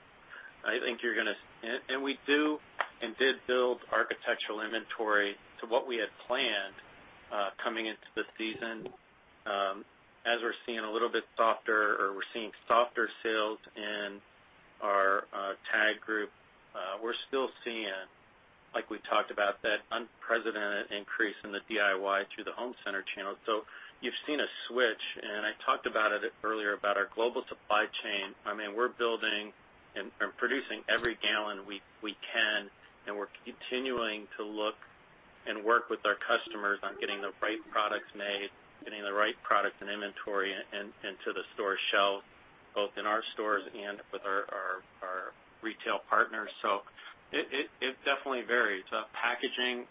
[SPEAKER 5] We do and did build architectural inventory to what we had planned coming into the season. As we're seeing a little bit softer, or we're seeing softer sales in our TAG group, we're still seeing, like we talked about, that unprecedented increase in the DIY through the home center channel. You've seen a switch, and I talked about it earlier about our Global Supply Chain. We're building and producing every gallon we can, and we're continuing to look and work with our customers on getting the right products made, getting the right product and inventory into the store shelves, both in our stores and with our retail partners. It definitely varies. Packaging,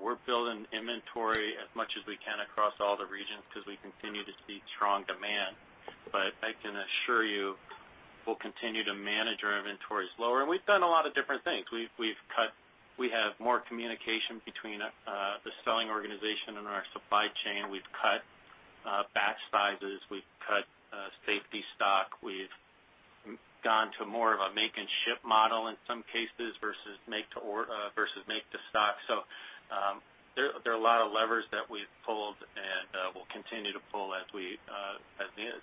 [SPEAKER 5] we're building inventory as much as we can across all the regions because we continue to see strong demand. I can assure you, we'll continue to manage our inventories lower. We've done a lot of different things. We have more communication between the selling organization and our supply chain. We've cut batch sizes. We've cut safety stock. We've gone to more of a make-and-ship model in some cases versus make-to-stock. There are a lot of levers that we've pulled and will continue to pull as the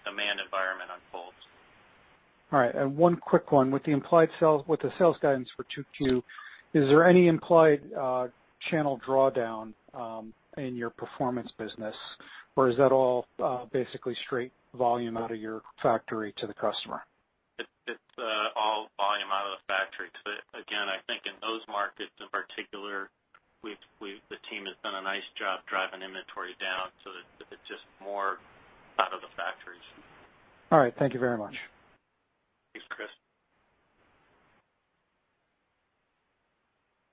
[SPEAKER 5] demand environment unfolds.
[SPEAKER 24] All right. One quick one. With the sales guidance for 2Q, is there any implied channel drawdown in your performance business, or is that all basically straight volume out of your factory to the customer?
[SPEAKER 5] It's all volume out of the factory. Again, I think in those markets in particular, the team has done a nice job driving inventory down so that it's just more out of the factories.
[SPEAKER 24] All right. Thank you very much.
[SPEAKER 5] Thanks, Chris.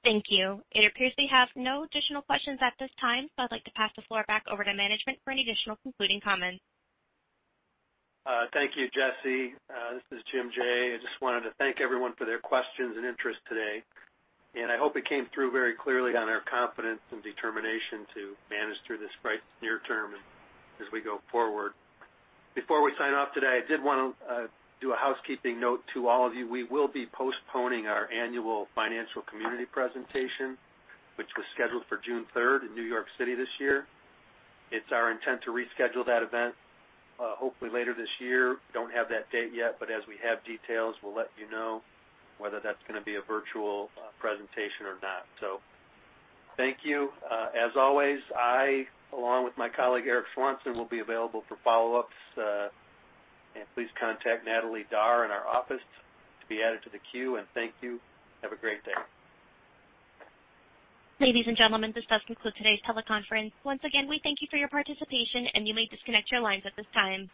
[SPEAKER 1] Thank you. It appears we have no additional questions at this time. I'd like to pass the floor back over to management for any additional concluding comments.
[SPEAKER 3] Thank you, Jesse. This is Jim Jaye. I just wanted to thank everyone for their questions and interest today, and I hope it came through very clearly on our confidence and determination to manage through this near term and as we go forward. Before we sign off today, I did want to do a housekeeping note to all of you. We will be postponing our annual financial community presentation, which was scheduled for June 3rd in New York City this year. It's our intent to reschedule that event, hopefully later this year. Don't have that date yet, but as we have details, we'll let you know whether that's going to be a virtual presentation or not. Thank you. As always, I, along with my colleague Eric Swanson, will be available for follow-ups. Please contact Natalie Darr in our office to be added to the queue, and thank you. Have a great day.
[SPEAKER 1] Ladies and gentlemen, this does conclude today's teleconference. Once again, we thank you for your participation, and you may disconnect your lines at this time.